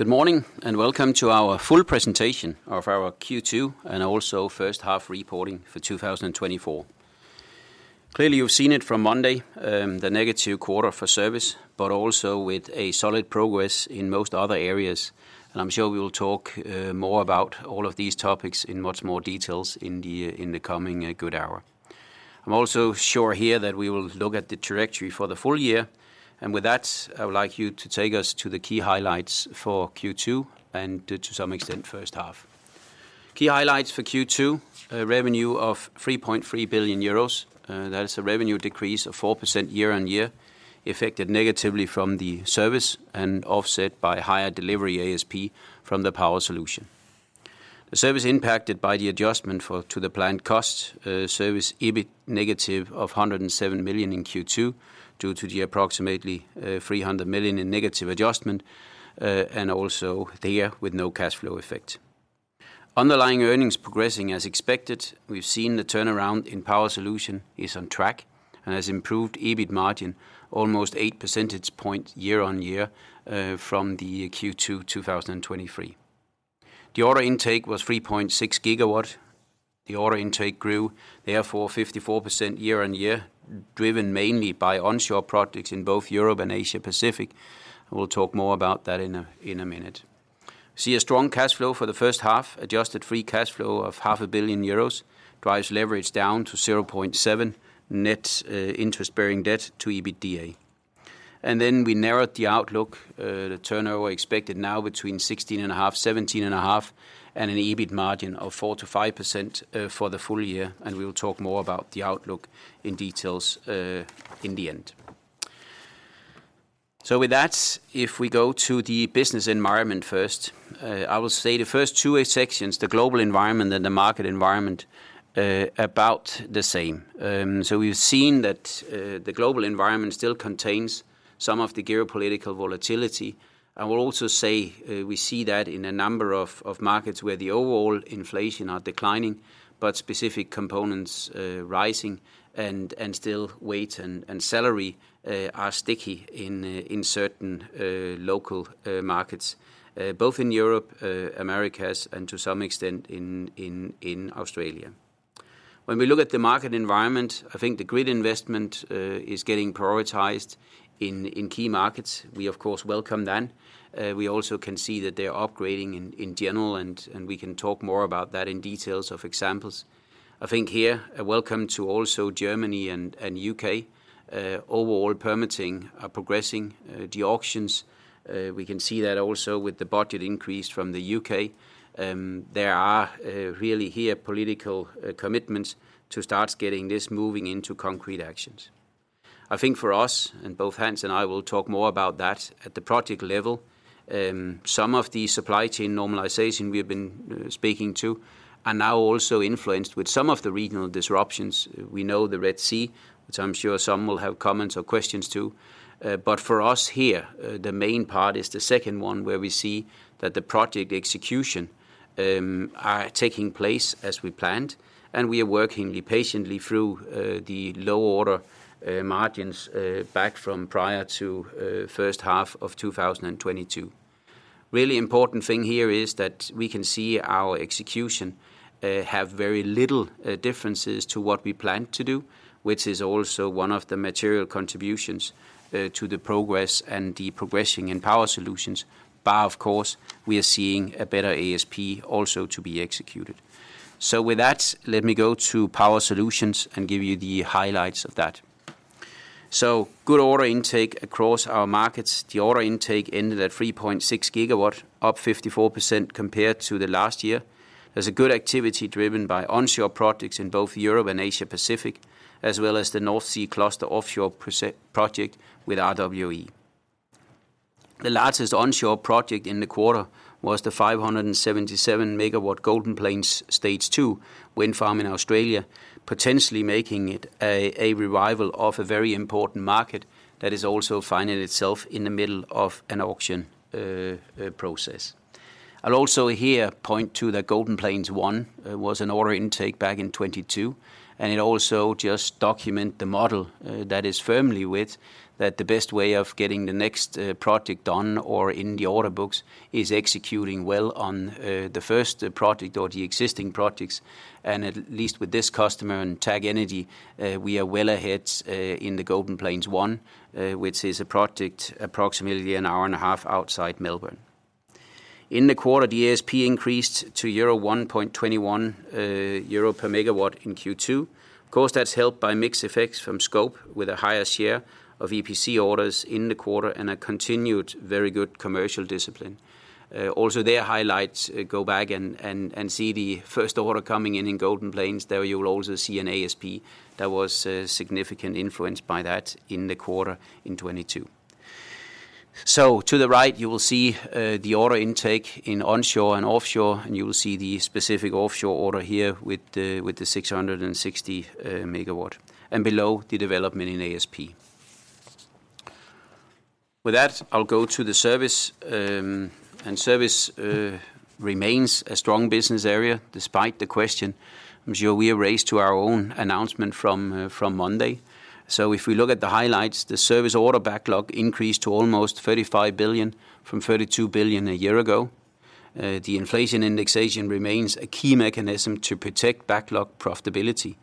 Good morning, and welcome to our full presentation of our Q2, and also first half reporting for 2024. Clearly, you've seen it from Monday, the negative quarter for Service, but also with a solid progress in most other areas. And I'm sure we will talk more about all of these topics in much more details in the coming good hour. I'm also sure here that we will look at the trajectory for the full year, and with that, I would like you to take us to the key highlights for Q2, and to some extent, first half. Key highlights for Q2, a revenue of 3.3 billion euros. That is a revenue decrease of 4% year-on-year, affected negatively from the Service and offset by higher delivery ASP from the power solution. The Service impacted by the adjustment to the planned cost, Service EBIT negative of 107 million in Q2, due to the approximately 300 million in negative adjustment, and also there with no cash flow effect. Underlying earnings progressing as expected. We've seen the turnaround in Power Solutions is on track and has improved EBIT margin almost 8 percentage points year-on-year from the Q2 2023. The order intake was 3.6 GW. The order intake grew, therefore, 54% year-on-year, driven mainly by onshore projects in both Europe and Asia Pacific. We'll talk more about that in a minute. See a strong cash flow for the first half, adjusted free cash flow of 500 million euros, drives leverage down to 0.7 net interest-bearing debt to EBITDA. Then we narrowed the outlook, the turnover expected now between 16.5 billion and 17.5 billion, and an EBIT margin of 4%-5%, for the full year, and we will talk more about the outlook in detail, in the end. So with that, if we go to the business environment first, I will say the first two sections, the global environment and the market environment, about the same. So we've seen that, the global environment still contains some of the geopolitical volatility. I will also say, we see that in a number of markets where the overall inflation are declining, but specific components rising and still wages and salaries are sticky in certain local markets both in Europe, Americas, and to some extent in Australia. When we look at the market environment, I think the grid investment is getting prioritized in key markets. We of course welcome that. We also can see that they are upgrading in general, and we can talk more about that in details of examples. I think here, a welcome to also Germany and UK. Overall permitting are progressing, the auctions, we can see that also with the budget increase from the U.K., there are really here, political commitments to start getting this moving into concrete actions. I think for us, and both Hans and I will talk more about that at the project level, some of the supply chain normalization we have been speaking to are now also influenced with some of the regional disruptions. We know the Red Sea, which I'm sure some will have comments or questions to, but for us here, the main part is the second one, where we see that the project execution are taking place as we planned, and we are working patiently through the low order margins back from prior to first half of 2022. Really important thing here is that we can see our execution, have very little, differences to what we plan to do, which is also one of the material contributions, to the progress and the progressing in Power Solutions. But of course, we are seeing a better ASP also to be executed. So with that, let me go to Power Solutions and give you the highlights of that. So, good order intake across our markets. The order intake ended at 3.6 GW, up 54% compared to the last year. There's a good activity driven by onshore projects in both Europe and Asia Pacific, as well as the North Sea Cluster offshore project with RWE. The largest onshore project in the quarter was the 577 MW Golden Plains Stage 2 wind farm in Australia, potentially making it a revival of a very important market that is also finding itself in the middle of an auction process. I'll also here point to the Golden Plains 1, was an order intake back in 2022, and it also just document the model that is firmly with, that the best way of getting the next project on or in the order books is executing well on the first project or the existing projects. And at least with this customer and TagEnergy, we are well ahead in the Golden Plains 1, which is a project approximately an hour and a half outside Melbourne. In the quarter, the ASP increased to 1.21 euro per MW in Q2. Of course, that's helped by mix effects from scope, with a higher share of EPC orders in the quarter and a continued very good commercial discipline. Also, their highlights, go back and see the first order coming in in Golden Plains. There you will also see an ASP that was significantly influenced by that in the quarter in 2022. So to the right, you will see the order intake in onshore and offshore, and you will see the specific offshore order here with the 660 MW, and below, the development in ASP. With that, I'll go to the Service. And Service remains a strong business area despite the question, which we raised to our own announcement from from Monday. So if we look at the highlights, the Service order backlog increased to almost 35 billion from 32 billion a year ago. The inflation indexation remains a key mechanism to protect backlog profitability.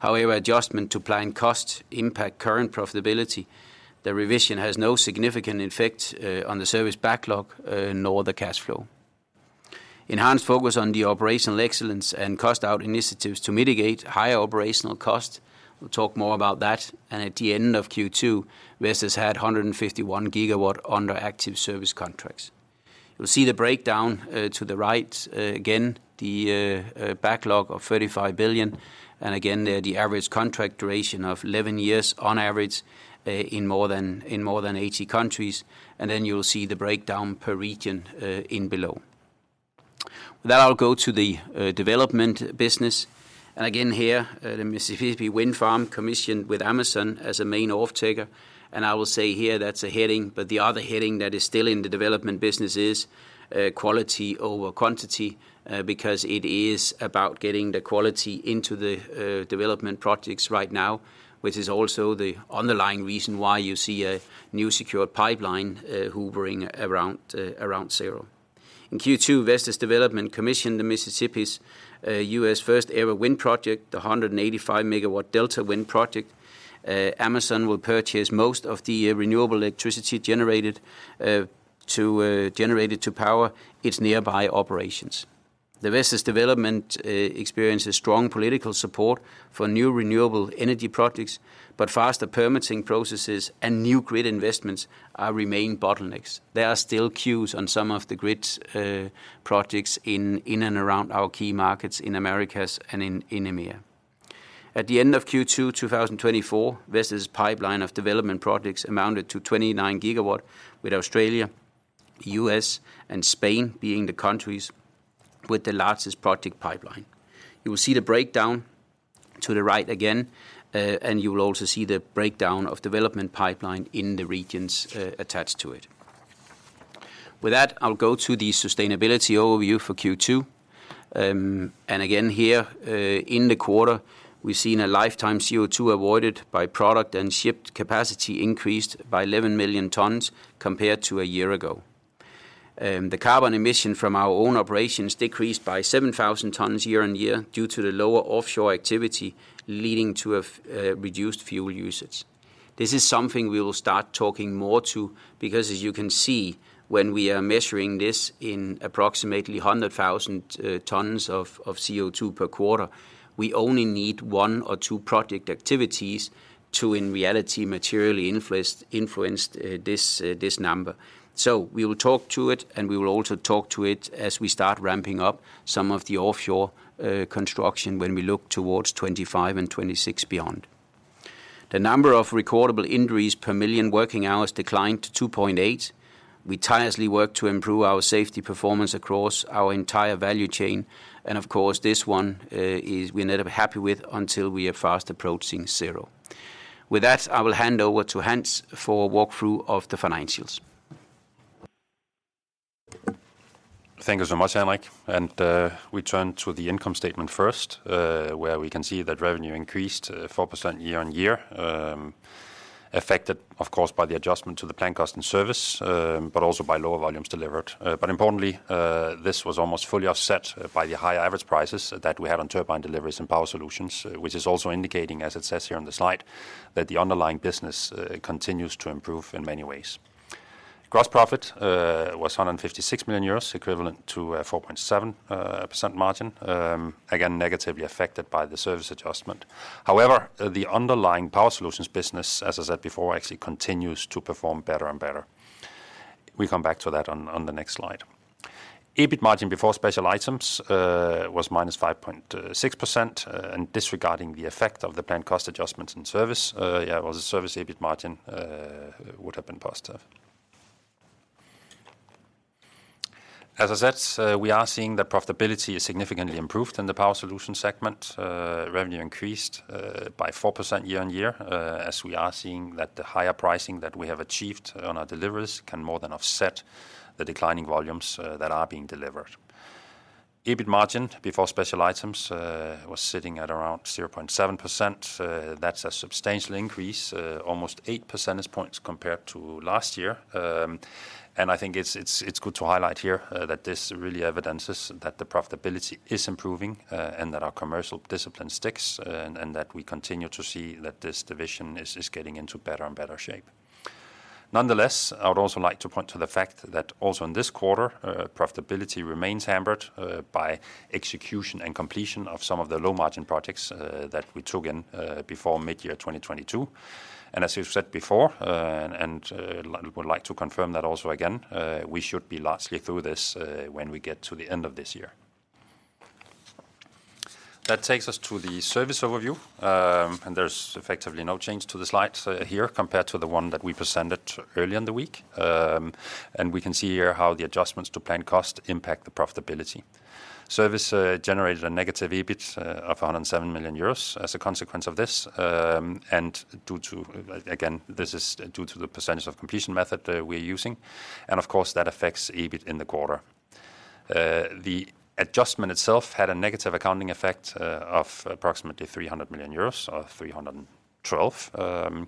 However, adjustment to planned costs impact current profitability. The revision has no significant effect on the Service backlog nor the cash flow. Enhanced focus on the operational excellence and cost out initiatives to mitigate higher operational costs. We'll talk more about that. And at the end of Q2, Vestas had 151 GW under active Service contracts. You'll see the breakdown to the right. Again, the backlog of 35 billion, and again, the average contract duration of 11 years on average, in more than 80 countries, and then you will see the breakdown per region in below. With that, I'll go to the development business. And again, here, the Mississippi wind farm commissioned with Amazon as a main offtaker, and I will say here, that's a heading, but the other heading that is still in the development business is quality over quantity, because it is about getting the quality into the development projects right now, which is also the underlying reason why you see a new secure pipeline hovering around zero. In Q2, Vestas Development commissioned the Mississippi's US first-ever wind project, the 185 MW Delta Wind Project. Amazon will purchase most of the renewable electricity generated to generate it to power its nearby operations. The Vestas Development experiences strong political support for new renewable energy projects, but faster permitting processes and new grid investments remain bottlenecks. There are still queues on some of the grid projects in and around our key markets in Americas and in EMEA. At the end of Q2 2024, Vestas' pipeline of development projects amounted to 29 GW, with Australia, US, and Spain being the countries with the largest project pipeline. You will see the breakdown to the right again, and you will also see the breakdown of development pipeline in the regions attached to it. With that, I'll go to the sustainability overview for Q2. And again, here, in the quarter, we've seen a lifetime CO2 avoided by product and shipped capacity increased by 11 million tons compared to a year ago. The carbon emission from our own operations decreased by 7,000 tons year-on-year, due to the lower offshore activity, leading to a reduced fuel usage. This is something we will start talking more to because, as you can see, when we are measuring this in approximately 100,000 tons of CO2 per quarter, we only need one or two project activities to, in reality, materially influence this number. So we will talk to it, and we will also talk to it as we start ramping up some of the offshore construction when we look towards 2025 and 2026 beyond. The number of recordable injuries per million working hours declined to 2.8. We tirelessly work to improve our safety performance across our entire value chain, and of course, this one, is we're never happy with until we are fast approaching zero. With that, I will hand over to Hans for a walkthrough of the financials. Thank you so much, Henrik, and we turn to the income statement first, where we can see that revenue increased 4% year-on-year, affected, of course, by the adjustment to the planned costs in Service, but also by lower volumes delivered. But importantly, this was almost fully offset by the high average prices that we had on turbine deliveries and Power Solutions, which is also indicating, as it says here on the slide, that the underlying business continues to improve in many ways. Gross profit was 156 million euros, equivalent to a 4.7% margin, again, negatively affected by the Service adjustment. However, the underlying Power Solutions business, as I said before, actually continues to perform better and better. We come back to that on the next slide. EBIT margin before special items was -5.6%, and disregarding the effect of the planned cost adjustments in Service, was a Service EBIT margin would have been positive. As I said, we are seeing that profitability is significantly improved in the Power Solutions segment. Revenue increased by 4% year-on-year, as we are seeing that the higher pricing that we have achieved on our deliveries can more than offset the declining volumes that are being delivered. EBIT margin before special items was sitting at around 0.7%. That's a substantial increase, almost eight percentage points compared to last year. And I think it's good to highlight here that this really evidences that the profitability is improving, and that our commercial discipline sticks, and that we continue to see that this division is getting into better and better shape. Nonetheless, I would also like to point to the fact that also in this quarter, profitability remains hampered by execution and completion of some of the low margin projects that we took in before midyear 2022. And as we've said before, and would like to confirm that also again, we should be largely through this when we get to the end of this year. That takes us to the Service overview, and there's effectively no change to the slides here, compared to the one that we presented earlier in the week. And we can see here how the adjustments to planned cost impact the profitability. Service generated a negative EBIT of 107 million euros as a consequence of this, and due to... Again, this is due to the percentage of completion method that we're using, and of course, that affects EBIT in the quarter. The adjustment itself had a negative accounting effect of approximately 300 million euros, or 312.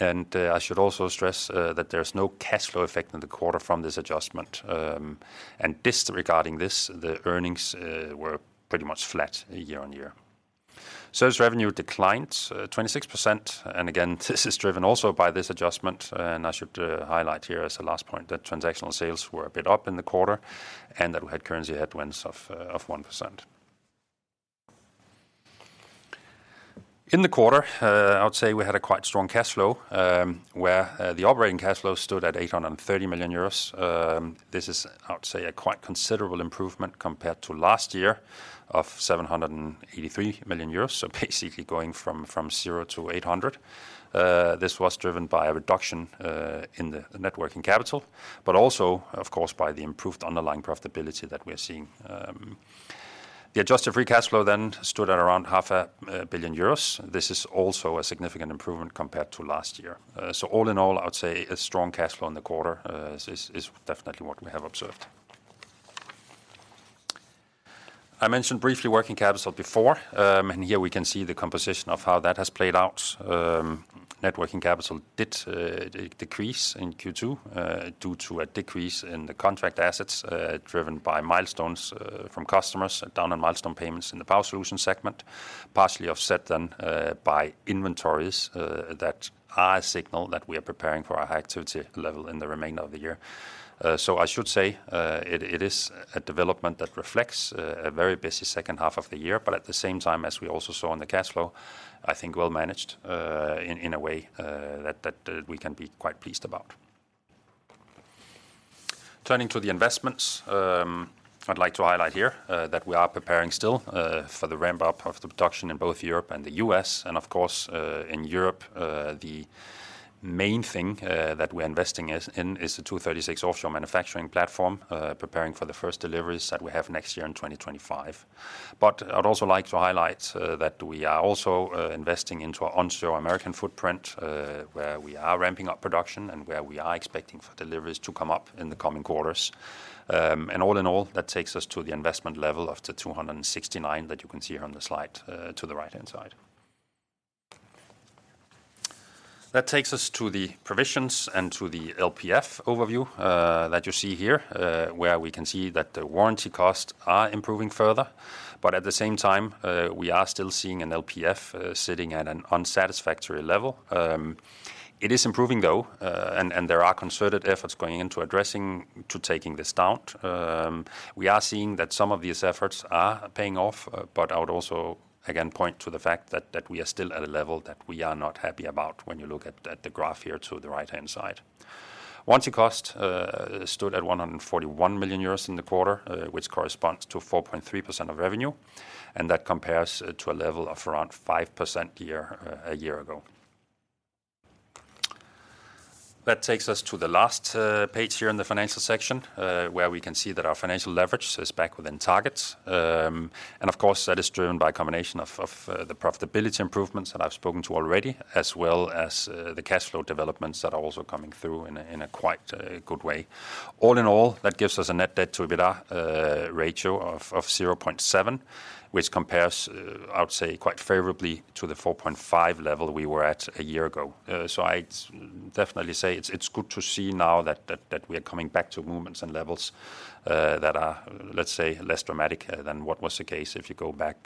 And I should also stress that there's no cash flow effect in the quarter from this adjustment. And disregarding this, the earnings were pretty much flat year-on-year. Sales revenue declined 26%, and again, this is driven also by this adjustment. I should highlight here as a last point that transactional sales were a bit up in the quarter, and that we had currency headwinds of 1%. In the quarter, I would say we had a quite strong cash flow, where the operating cash flow stood at 830 million euros. This is, I would say, a quite considerable improvement compared to last year of 783 million euros. So basically, going from zero to 800. This was driven by a reduction in the net working capital, but also, of course, by the improved underlying profitability that we are seeing. The adjusted free cash flow then stood at around 500 million euros. This is also a significant improvement compared to last year. So all in all, I would say a strong cash flow in the quarter is definitely what we have observed. I mentioned briefly working capital before. And here we can see the composition of how that has played out. Net working capital did decrease in Q2 due to a decrease in the contract assets driven by milestones from customers down on milestone payments in the Power Solutions segment. Partially offset then by inventories that are a signal that we are preparing for a high activity level in the remainder of the year. So I should say, it is a development that reflects a very busy second half of the year, but at the same time, as we also saw in the cash flow, I think well managed, in a way that we can be quite pleased about. Turning to the investments, I'd like to highlight here that we are preparing still for the ramp-up of the production in both Europe and the US. And of course, in Europe, the main thing that we're investing is the 236 offshore manufacturing platform, preparing for the first deliveries that we have next year in 2025. But I'd also like to highlight that we are also investing into our onshore American footprint, where we are ramping up production and where we are expecting for deliveries to come up in the coming quarters. And all in all, that takes us to the investment level of 269 that you can see here on the slide, to the right-hand side. That takes us to the provisions and to the LPF overview that you see here, where we can see that the warranty costs are improving further, but at the same time, we are still seeing an LPF sitting at an unsatisfactory level. It is improving, though, and there are concerted efforts going into addressing to taking this down. We are seeing that some of these efforts are paying off, but I would also, again, point to the fact that we are still at a level that we are not happy about when you look at the graph here to the right-hand side. Warranty cost stood at 141 million euros in the quarter, which corresponds to 4.3% of revenue, and that compares to a level of around 5% a year ago. That takes us to the last page here in the financial section, where we can see that our financial leverage is back within targets. And of course, that is driven by a combination of the profitability improvements that I've spoken to already, as well as the cash flow developments that are also coming through in a quite good way. All in all, that gives us a net debt to EBITDA ratio of 0.7, which compares, I would say, quite favorably to the 4.5 level we were at a year ago. So I'd definitely say it's good to see now that we are coming back to movements and levels that are, let's say, less dramatic than what was the case if you go back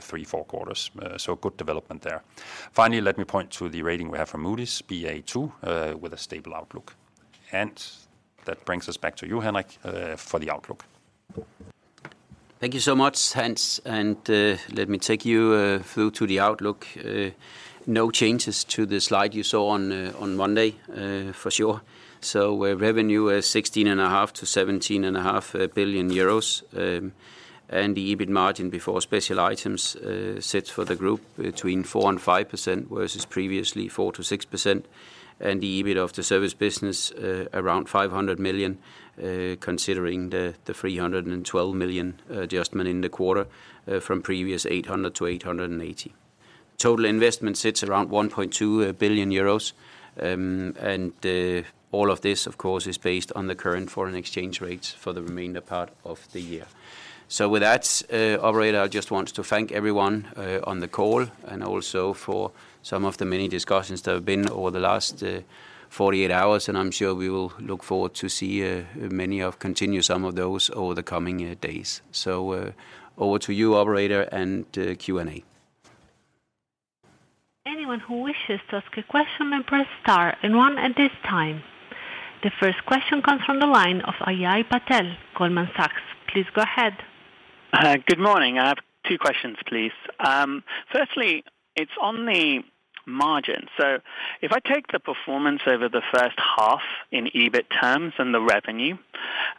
3, 4 quarters. So good development there. Finally, let me point to the rating we have from Moody's, Baa2, with a stable outlook. That brings us back to you, Henrik, for the outlook. Thank you so much, Hans, and let me take you through to the outlook. No changes to the slide you saw on Monday, for sure. So where revenue is 16.5 billion-17.5 billion euros, and the EBIT margin before special items sets for the group between 4%-5%, versus previously 4%-6%. The EBIT of the Service business around 500 million, considering the 312 million adjustment in the quarter, from previous 800 million to 880 million. Total investment sits around 1.2 billion euros, and all of this, of course, is based on the current foreign exchange rates for the remainder part of the year. So with that, operator, I just want to thank everyone on the call, and also for some of the many discussions that have been over the last 48 hours. And I'm sure we will look forward to see many of continue some of those over the coming days. So, over to you, operator, and Q&A. Anyone who wishes to ask a question may press star and one at this time. The first question comes from the line of Ajay Patel, Goldman Sachs. Please go ahead. Good morning. I have two questions, please. Firstly, it's on the margin. So if I take the performance over the first half in EBIT terms and the revenue,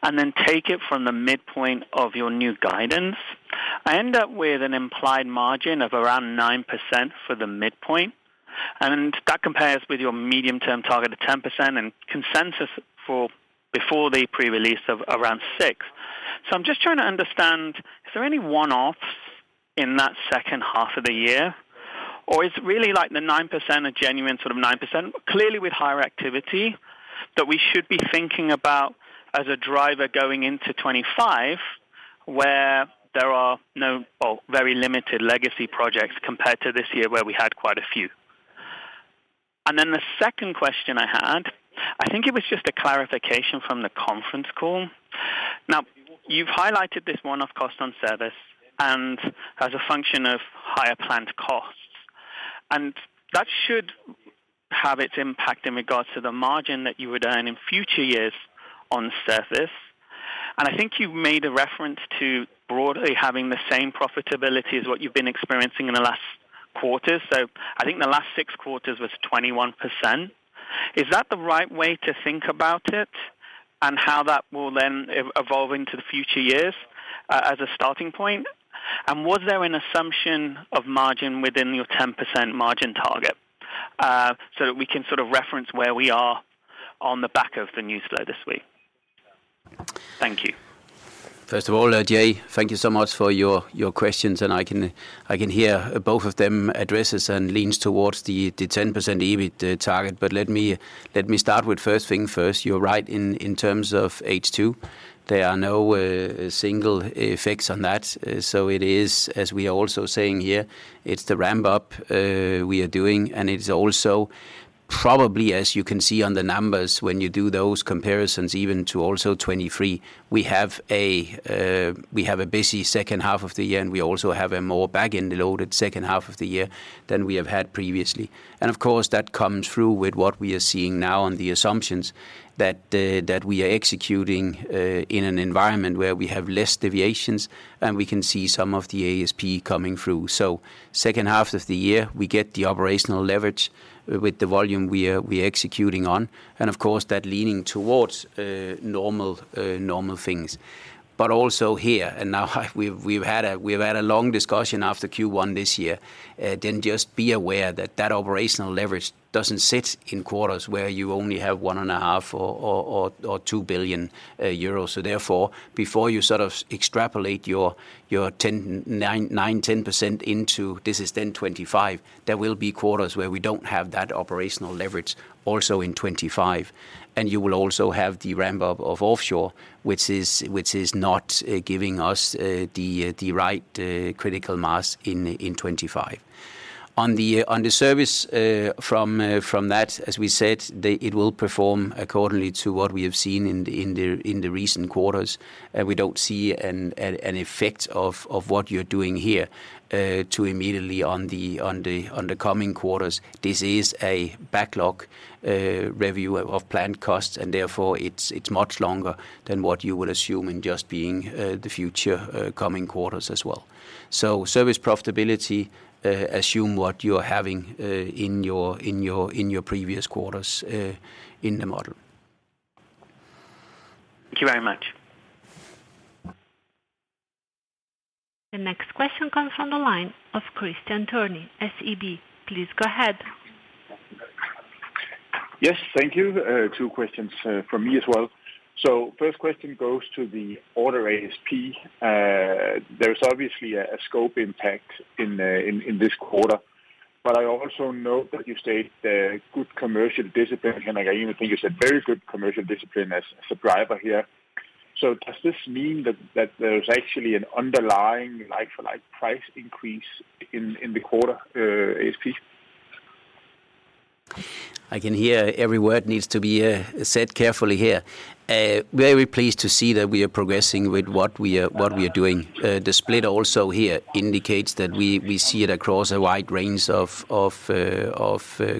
and then take it from the midpoint of your new guidance, I end up with an implied margin of around 9% for the midpoint, and that compares with your medium-term target of 10% and consensus for before the pre-release of around 6%. So I'm just trying to understand, is there any one-offs in that second half of the year? Or is it really like the 9%, a genuine sort of 9%, clearly with higher activity, that we should be thinking about as a driver going into 25?... where there are no, or very limited legacy projects compared to this year, where we had quite a few. And then the second question I had, I think it was just a clarification from the conference call. Now, you've highlighted this one-off cost on Service, and as a function of higher planned costs. And that should have its impact in regards to the margin that you would earn in future years on Service. And I think you've made a reference to broadly having the same profitability as what you've been experiencing in the last quarter. So I think the last 6 quarters was 21%. Is that the right way to think about it, and how that will then evolve into the future years, as a starting point? And was there an assumption of margin within your 10% margin target? So that we can sort of reference where we are on the back of the newsflow this week. Thank you. First of all, Jay, thank you so much for your questions, and I can hear both of them address and lean towards the 10% EBIT target. But let me start with first things first. You're right, in terms of H2, there are no single effects on that. So it is, as we are also saying here, it's the ramp-up we are doing, and it's also probably, as you can see on the numbers, when you do those comparisons, even to also 2023, we have a busy second half of the year, and we also have a more back-end loaded second half of the year than we have had previously. And of course, that comes through with what we are seeing now on the assumptions, that we are executing in an environment where we have less deviations, and we can see some of the ASP coming through. So second half of the year, we get the operational leverage with the volume we are executing on, and of course, that leaning towards normal things. But also here and now, we've had a long discussion after Q1 this year, then just be aware that that operational leverage doesn't sit in quarters where you only have 1.5 billion or 2 billion euros. So therefore, before you sort of extrapolate your 10, 9, 9, 10% into this is then 2025, there will be quarters where we don't have that operational leverage also in 2025. And you will also have the ramp-up of offshore, which is not giving us the right critical mass in 2025. On the Service, from that, as we said, it will perform accordingly to what we have seen in the recent quarters. We don't see an effect of what you're doing here to immediately on the coming quarters. This is a backlog review of planned costs, and therefore, it's much longer than what you would assume in just being the future coming quarters as well. Service profitability, assume what you are having in your previous quarters in the model. Thank you very much. The next question comes from the line of Kristian Tornøe Johansen, SEB. Please go ahead. Yes, thank you. Two questions from me as well. So first question goes to the order ASP. There is obviously a scope impact in this quarter, but I also note that you state good commercial discipline, and I even think it's a very good commercial discipline as a driver here. So does this mean that there's actually an underlying, like, price increase in the quarter, ASP? I can hear every word needs to be said carefully here. Very pleased to see that we are progressing with what we are doing. The split also here indicates that we see it across a wide range of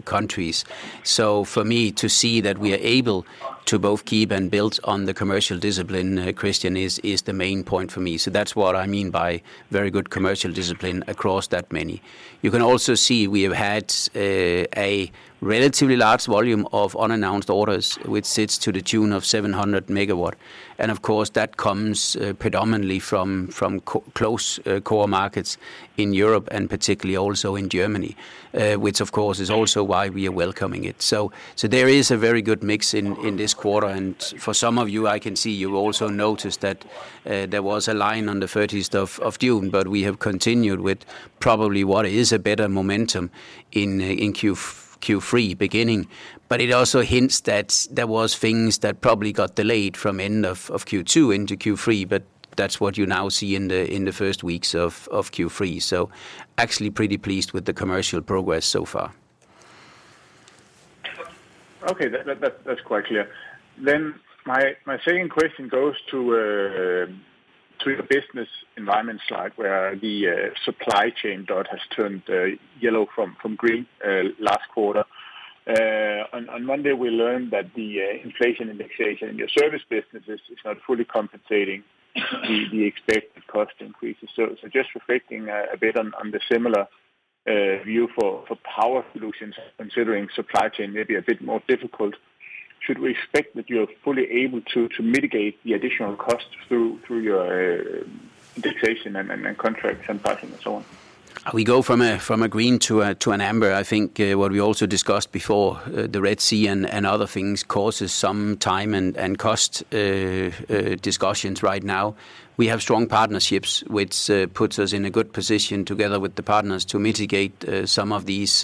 countries. So for me, to see that we are able to both keep and build on the commercial discipline, Kristian, is the main point for me. So that's what I mean by very good commercial discipline across that many. You can also see we have had a relatively large volume of unannounced orders, which sits to the tune of 700 MW. And of course, that comes predominantly from close core markets in Europe, and particularly also in Germany, which of course is also why we are welcoming it. So there is a very good mix in this quarter, and for some of you, I can see you also noticed that there was a line on the 30th of June, but we have continued with probably what is a better momentum in Q3 beginning. But it also hints that there was things that probably got delayed from end of Q2 into Q3, but that's what you now see in the first weeks of Q3. So actually pretty pleased with the commercial progress so far. Okay, that's quite clear. Then my second question goes to your business environment slide, where the supply chain dot has turned yellow from green last quarter. On Monday, we learned that the inflation indexation in your Service business is not fully compensating the expected cost increases. So just reflecting a bit on the similar view for Power Solutions, considering supply chain may be a bit more difficult, should we expect that you are fully able to mitigate the additional costs through your indexation and contracts and pricing, and so on? We go from a green to an amber. I think what we also discussed before, the Red Sea and other things causes some time and cost discussions right now. We have strong partnerships, which puts us in a good position together with the partners to mitigate some of these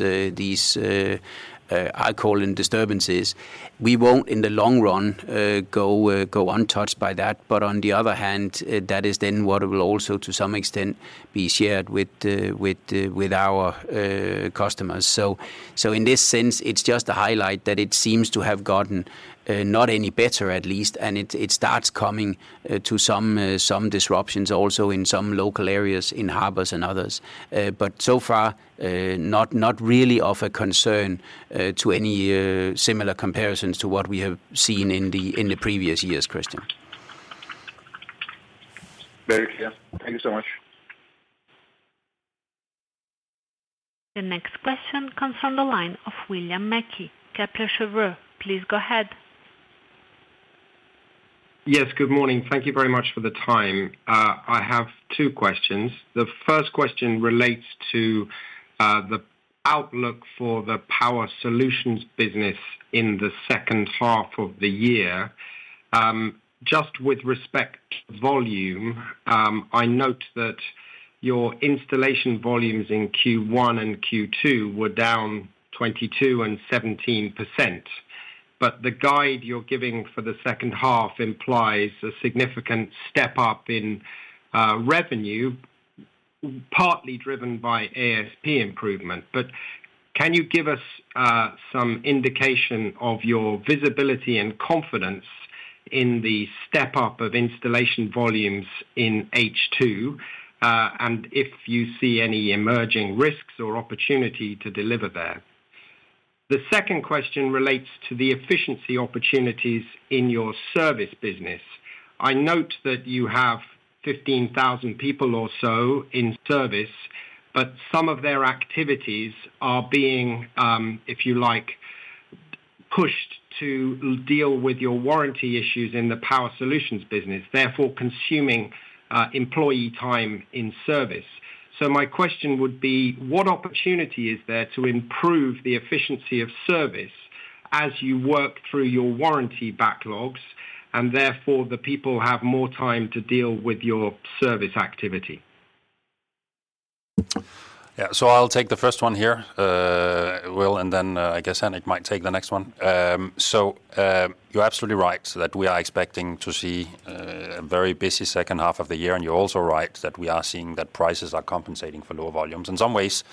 I call them disturbances. We won't, in the long run, go untouched by that, but on the other hand, that is then what will also, to some extent, be shared with our customers. So in this sense, it's just a highlight that it seems to have gotten not any better, at least, and it starts coming to some disruptions also in some local areas, in harbors and others. But so far, not really of a concern to any similar comparisons to what we have seen in the previous years, Kristian. Very clear. Thank you so much. The next question comes from the line of William Mackie, Kepler Cheuvreux. Please go ahead. Yes, good morning. Thank you very much for the time. I have two questions. The first question relates to the outlook for the Power Solutions business in the second half of the year. Just with respect to volume, I note that your installation volumes in Q1 and Q2 were down 22% and 17%, but the guide you're giving for the second half implies a significant step up in revenue, partly driven by ASP improvement. But can you give us some indication of your visibility and confidence in the step up of installation volumes in H2? And if you see any emerging risks or opportunity to deliver there. The second question relates to the efficiency opportunities in your Service business. I note that you have 15,000 people or so in Service, but some of their activities are being, if you like, pushed to deal with your warranty issues in the Power Solutions business, therefore consuming employee time in Service. So my question would be, what opportunity is there to improve the efficiency of Service as you work through your warranty backlogs, and therefore, the people have more time to deal with your Service activity? Yeah, so I'll take the first one here, Will, and then I guess Henrik might take the next one. So, you're absolutely right, so that we are expecting to see a very busy second half of the year, and you're also right that we are seeing that prices are compensating for lower volumes. In some ways,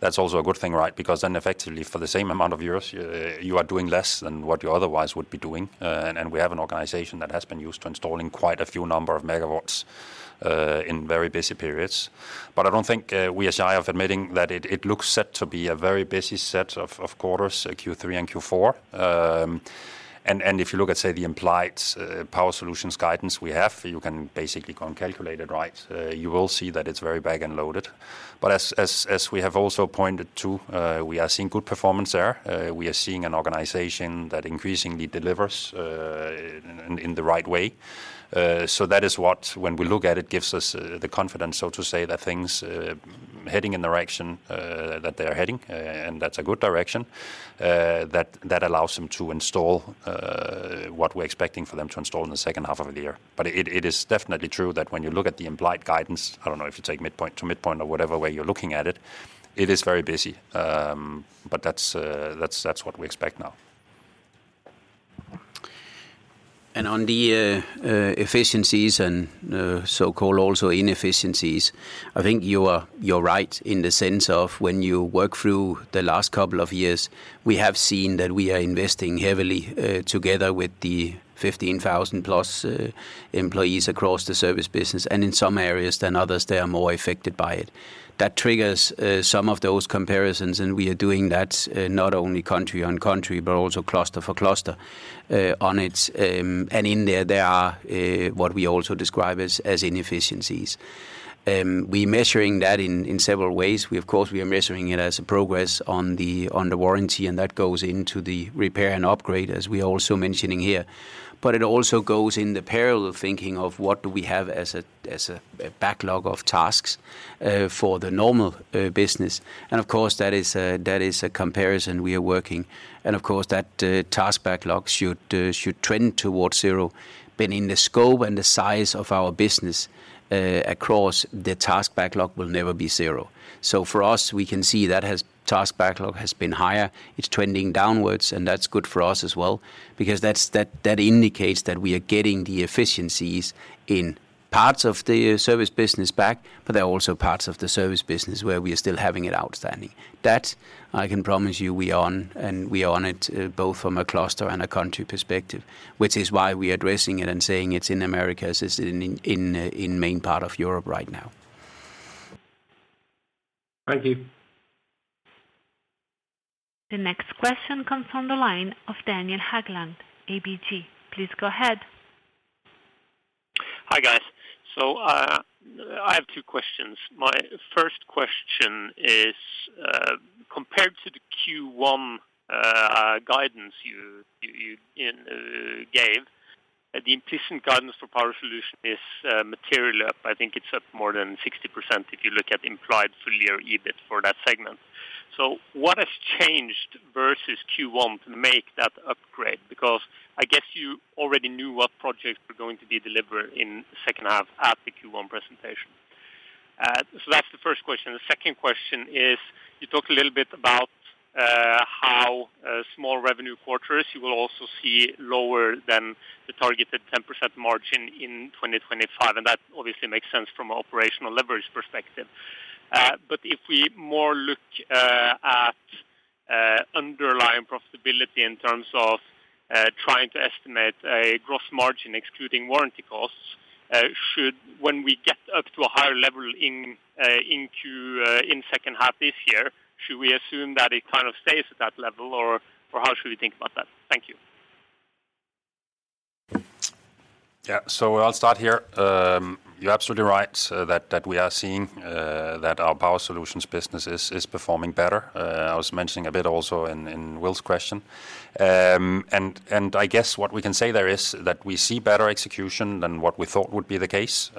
that's also a good thing, right? Because then effectively, for the same amount of years, you are doing less than what you otherwise would be doing. And we have an organization that has been used to installing quite a few number of megawatts in very busy periods. But I don't think we are shy of admitting that it looks set to be a very busy set of quarters, Q3 and Q4. And if you look at, say, the implied Power Solutions guidance we have, you can basically go and calculate it, right? You will see that it's very back-end loaded. But as we have also pointed to, we are seeing good performance there. We are seeing an organization that increasingly delivers in the right way. So that is what, when we look at it, gives us the confidence, so to say, that things heading in the direction that they are heading, and that's a good direction. That allows them to install what we're expecting for them to install in the second half of the year. But it is definitely true that when you look at the implied guidance, I don't know if you take midpoint to midpoint or whatever way you're looking at it, it is very busy. But that's what we expect now. And on the efficiencies and so-called also inefficiencies, I think you are, you're right in the sense of when you work through the last couple of years, we have seen that we are investing heavily together with the 15,000+ employees across the Service business, and in some areas than others, they are more affected by it. That triggers some of those comparisons, and we are doing that not only country on country, but also cluster for cluster. On it, and in there, there are what we also describe as inefficiencies. We're measuring that in several ways. We of course, we are measuring it as a progress on the warranty, and that goes into the repair and upgrade, as we are also mentioning here. But it also goes in the parallel thinking of what do we have as a backlog of tasks for the normal business. And of course, that is a comparison we are working. And of course, that task backlog should trend towards zero. But in the scope and the size of our business, across the task backlog will never be zero. So for us, we can see that task backlog has been higher, it's trending downwards, and that's good for us as well, because that indicates that we are getting the efficiencies in parts of the Service business back, but there are also parts of the Service business where we are still having it outstanding. That, I can promise you, we are on, and we are on it, both from a cluster and a country perspective, which is why we are addressing it and saying it's in Americas, it's in main part of Europe right now. Thank you. The next question comes from the line of Daniel Haugland, ABG. Please go ahead. Hi, guys. So, I have two questions. My first question is,... one guidance you gave. The implicit guidance for Power Solutions is materially up. I think it's up more than 60% if you look at the implied full year EBIT for that segment. So what has changed versus Q1 to make that upgrade? Because I guess you already knew what projects were going to be delivered in the second half at the Q1 presentation. So that's the first question. The second question is, you talked a little bit about how small revenue quarters, you will also see lower than the targeted 10% margin in 2025, and that obviously makes sense from an operational leverage perspective. But if we look more at underlying profitability in terms of trying to estimate a gross margin excluding warranty costs, should we, when we get up to a higher level in the second half this year, assume that it kind of stays at that level, or how should we think about that? Thank you. Yeah. So I'll start here. You're absolutely right that we are seeing that our Power Solutions business is performing better. I was mentioning a bit also in Will's question. And I guess what we can say there is that we see better execution than what we thought would be the case.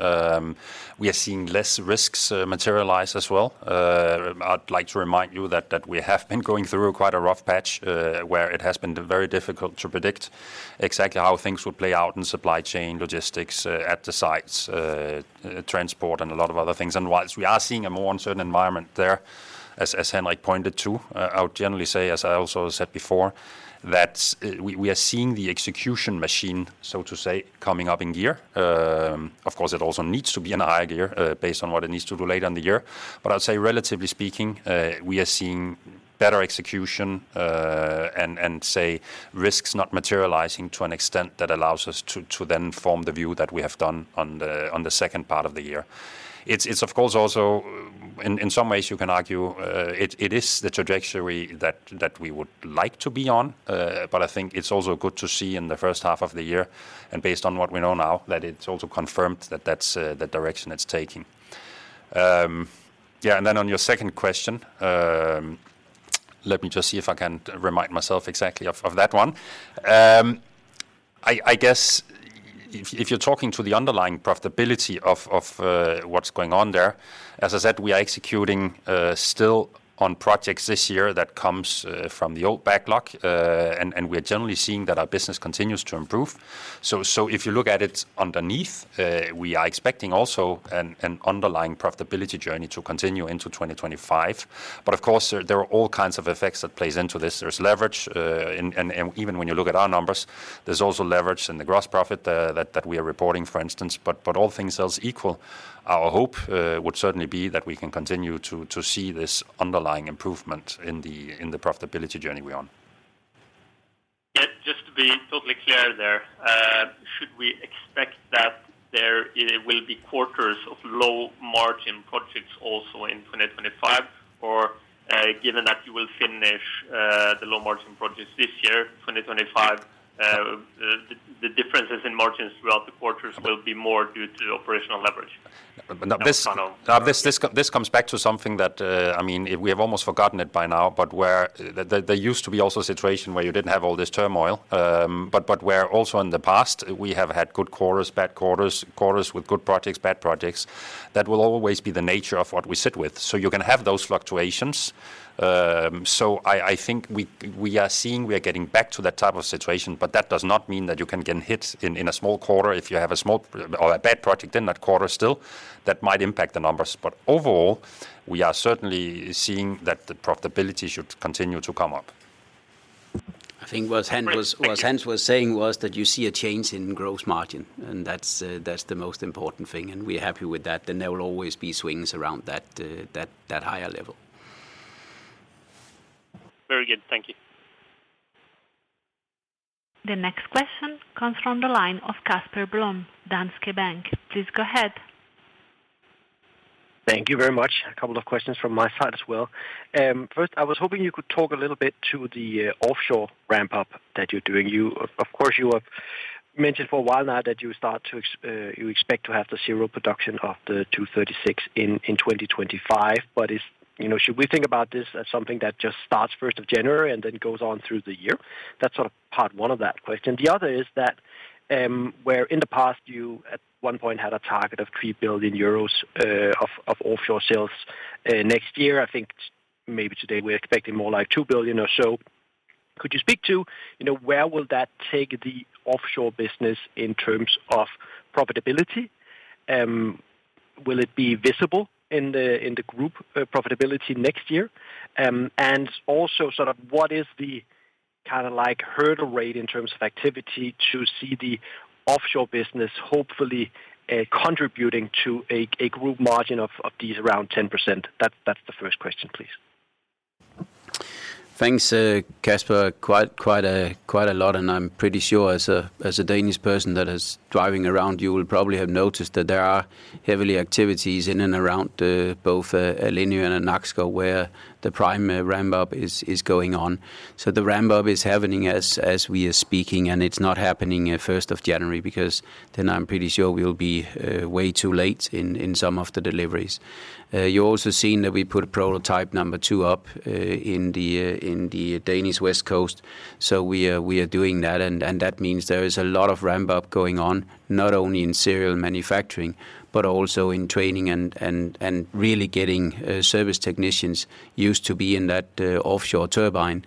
We are seeing less risks materialize as well. I'd like to remind you that we have been going through quite a rough patch where it has been very difficult to predict exactly how things will play out in supply chain, logistics, at the sites, transport and a lot of other things. Whilst we are seeing a more uncertain environment there, as Henrik pointed to, I would generally say, as I also said before, that we are seeing the execution machine, so to say, coming up in gear. Of course, it also needs to be in a higher gear, based on what it needs to do later in the year. But I'd say relatively speaking, we are seeing better execution, and say, risks not materializing to an extent that allows us to then form the view that we have done on the second part of the year. It's of course also... In some ways you can argue, it is the trajectory that we would like to be on, but I think it's also good to see in the first half of the year, and based on what we know now, that it's also confirmed that that's the direction it's taking. Yeah, and then on your second question, let me just see if I can remind myself exactly of that one. I guess if you're talking to the underlying profitability of what's going on there, as I said, we are executing still on projects this year that comes from the old backlog. And we are generally seeing that our business continues to improve. So if you look at it underneath, we are expecting also an underlying profitability journey to continue into 2025. But of course, there are all kinds of effects that play into this. There's leverage, and even when you look at our numbers, there's also leverage in the gross profit that we are reporting, for instance. But all things else equal, our hope would certainly be that we can continue to see this underlying improvement in the profitability journey we're on. Yeah, just to be totally clear there, should we expect that there will be quarters of low margin projects also in 2025? Or, given that you will finish the low margin projects this year, 2025, the differences in margins throughout the quarters will be more due to operational leverage? But this comes back to something that, I mean, we have almost forgotten it by now, but where there used to be also a situation where you didn't have all this turmoil. But where also in the past, we have had good quarters, bad quarters, quarters with good projects, bad projects. That will always be the nature of what we sit with. So you can have those fluctuations. So I think we are seeing we are getting back to that type of situation, but that does not mean that you can get hit in a small quarter. If you have a small or a bad project in that quarter, still, that might impact the numbers. But overall, we are certainly seeing that the profitability should continue to come up. I think what Hans was saying was that you see a change in gross margin, and that's the most important thing, and we're happy with that. Then there will always be swings around that higher level. Very good. Thank you. The next question comes from the line of Casper Blom, Danske Bank. Please go ahead. Thank you very much. A couple of questions from my side as well. First, I was hoping you could talk a little bit to the offshore ramp-up that you're doing. You of course, you have mentioned for a while now that you expect to have the serial production of the V236 in 2025. But you know, should we think about this as something that just starts first of January and then goes on through the year? That's sort of part one of that question. The other is that, where in the past you at one point had a target of 3 billion euros of offshore sales next year, I think maybe today we're expecting more like 2 billion or so. Could you speak to, you know, where will that take the offshore business in terms of profitability? Will it be visible in the group profitability next year? And also sort of what is the kind of like hurdle rate in terms of activity to see the offshore business hopefully contributing to a group margin of these around 10%? That's the first question, please. Thanks, Casper. Quite a lot, and I'm pretty sure as a Danish person that is driving around, you will probably have noticed that there are heavy activities in and around both Lindø and Nakskov, where the prime ramp-up is going on. So the ramp up is happening as we are speaking, and it's not happening at first of January, because then I'm pretty sure we'll be way too late in some of the deliveries. You're also seeing that we put prototype number two up in the Danish west coast. So we are doing that, and that means there is a lot of ramp up going on, not only in serial manufacturing, but also in training and really getting Service technicians used to be in that offshore turbine.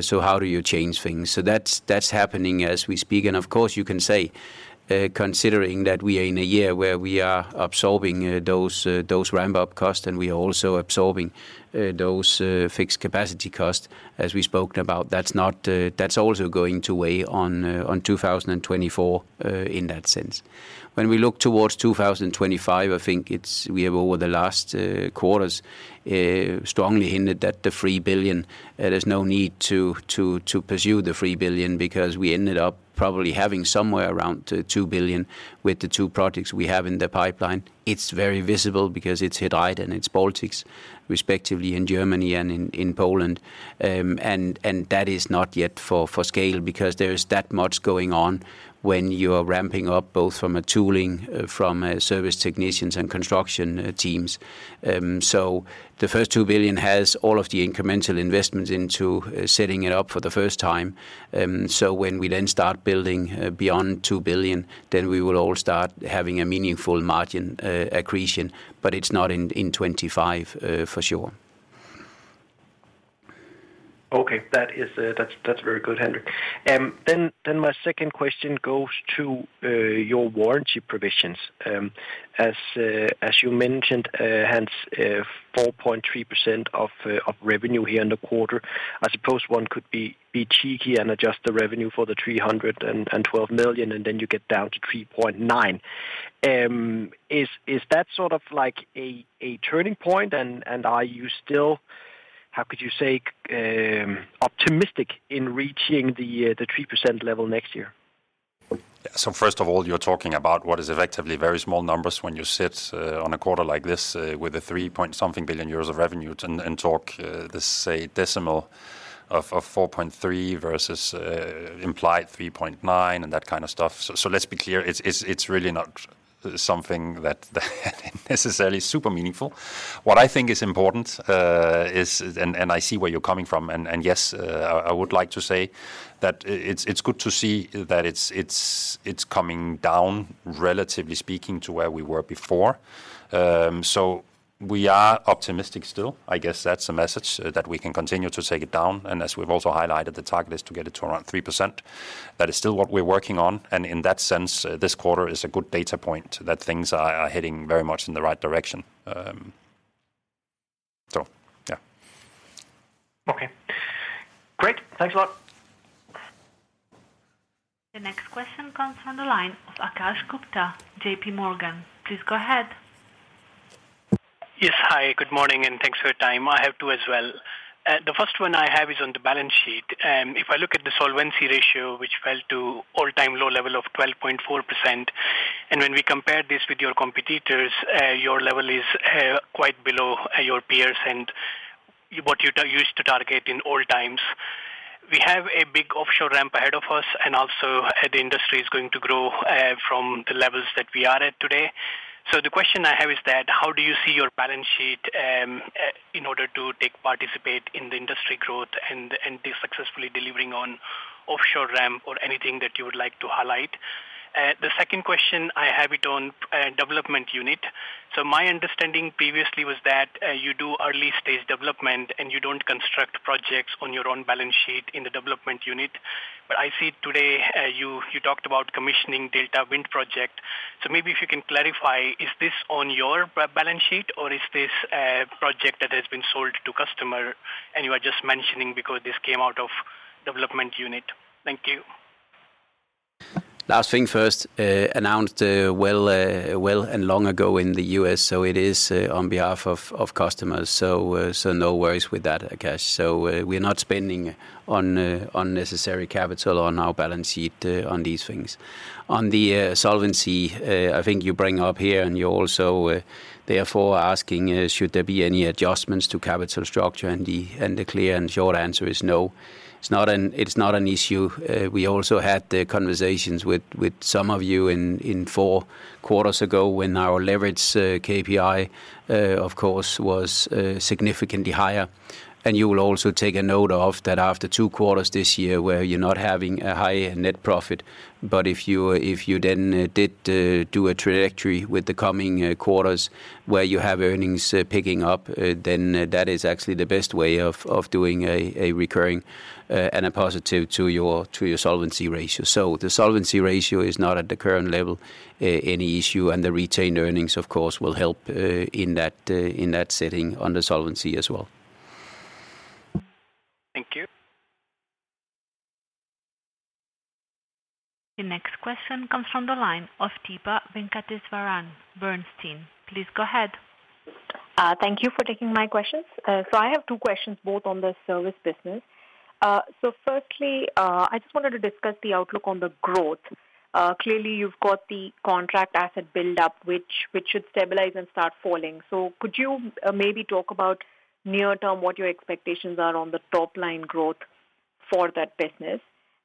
So how do you change things? So that's happening as we speak. And of course, you can say, considering that we are in a year where we are absorbing those ramp-up costs, and we are also absorbing those fixed capacity costs, as we spoke about, that's not, that's also going to weigh on 2024 in that sense. When we look towards 2025, I think it's, we have over the last quarters strongly hinted at the 3 billion. There is no need to pursue the 3 billion, because we ended up probably having somewhere around 2 billion with the two projects we have in the pipeline. It's very visible because it's He Dreiht and it's Baltic Power, respectively, in Germany and in Poland. And that is not yet for scale, because there is that much going on when you are ramping up, both from a tooling, from a Service technicians and construction teams. So the first 2 billion has all of the incremental investments into setting it up for the first time. So when we then start building beyond 2 billion, then we will all start having a meaningful margin accretion, but it's not in 2025, for sure. Okay. That is, that's, that's very good, Henrik. Then my second question goes to your warranty provisions. As you mentioned, Hans, 4.3% of revenue here in the quarter, I suppose one could be cheeky and adjust the revenue for the 312 million, and then you get down to 3.9%. Is that sort of like a turning point? And are you still, how could you say, optimistic in reaching the 3% level next year? So first of all, you're talking about what is effectively very small numbers when you sit on a quarter like this with EUR 3-point-something billion of revenue and and talk this say decimal of 4.3 versus implied 3.9 and that kind of stuff. So so let's be clear, it's it's it's really not something that necessarily super meaningful. What I think is important is and and I see where you're coming from, and and yes I would like to say that it's it's it's coming down, relatively speaking, to where we were before. So we are optimistic still. I guess that's the message, that we can continue to take it down. And as we've also highlighted, the target is to get it to around 3%. That is still what we're working on, and in that sense, this quarter is a good data point that things are heading very much in the right direction. So yeah. Okay. Great. Thanks a lot. The next question comes from the line of Akash Gupta, JP Morgan. Please go ahead. Yes. Hi, good morning, and thanks for your time. I have two as well. The first one I have is on the balance sheet. If I look at the solvency ratio, which fell to all-time low level of 12.4%, and when we compare this with your competitors, your level is quite below your peers and what you used to target in old times. We have a big offshore ramp ahead of us, and also, the industry is going to grow from the levels that we are at today. So the question I have is that, how do you see your balance sheet in order to take participate in the industry growth and be successfully delivering on offshore ramp, or anything that you would like to highlight? The second question I have it on development unit. So my understanding previously was that, you do early-stage development, and you don't construct projects on your own balance sheet in the development unit. But I see today, you, you talked about commissioning Delta Wind Project. So maybe if you can clarify, is this on your balance sheet, or is this a project that has been sold to customer and you are just mentioning because this came out of development unit? Thank you. Last thing first, announced, well, well and long ago in the US, so it is, on behalf of, of customers. So, so no worries with that, Akash. So, we are not spending on, unnecessary capital on our balance sheet, on these things. On the solvency, I think you bring up here, and you're also therefore asking, should there be any adjustments to capital structure? And the clear and short answer is no. It's not an issue. We also had the conversations with some of you in four quarters ago, when our leverage KPI of course was significantly higher. And you will also take a note of that after two quarters this year, where you're not having a high net profit, but if you then did a trajectory with the coming quarters, where you have earnings picking up, then that is actually the best way of doing a recurring and a positive to your solvency ratio. So the solvency ratio is not, at the current level, any issue, and the retained earnings, of course, will help in that setting on the solvency as well. Thank you. The next question comes from the line of Deepa Venkateswaran, Bernstein. Please go ahead. Thank you for taking my questions. So I have two questions, both on the Service business. So firstly, I just wanted to discuss the outlook on the growth. Clearly you've got the contract asset build-up, which should stabilize and start falling. So could you maybe talk about near term, what your expectations are on the top line growth for that business?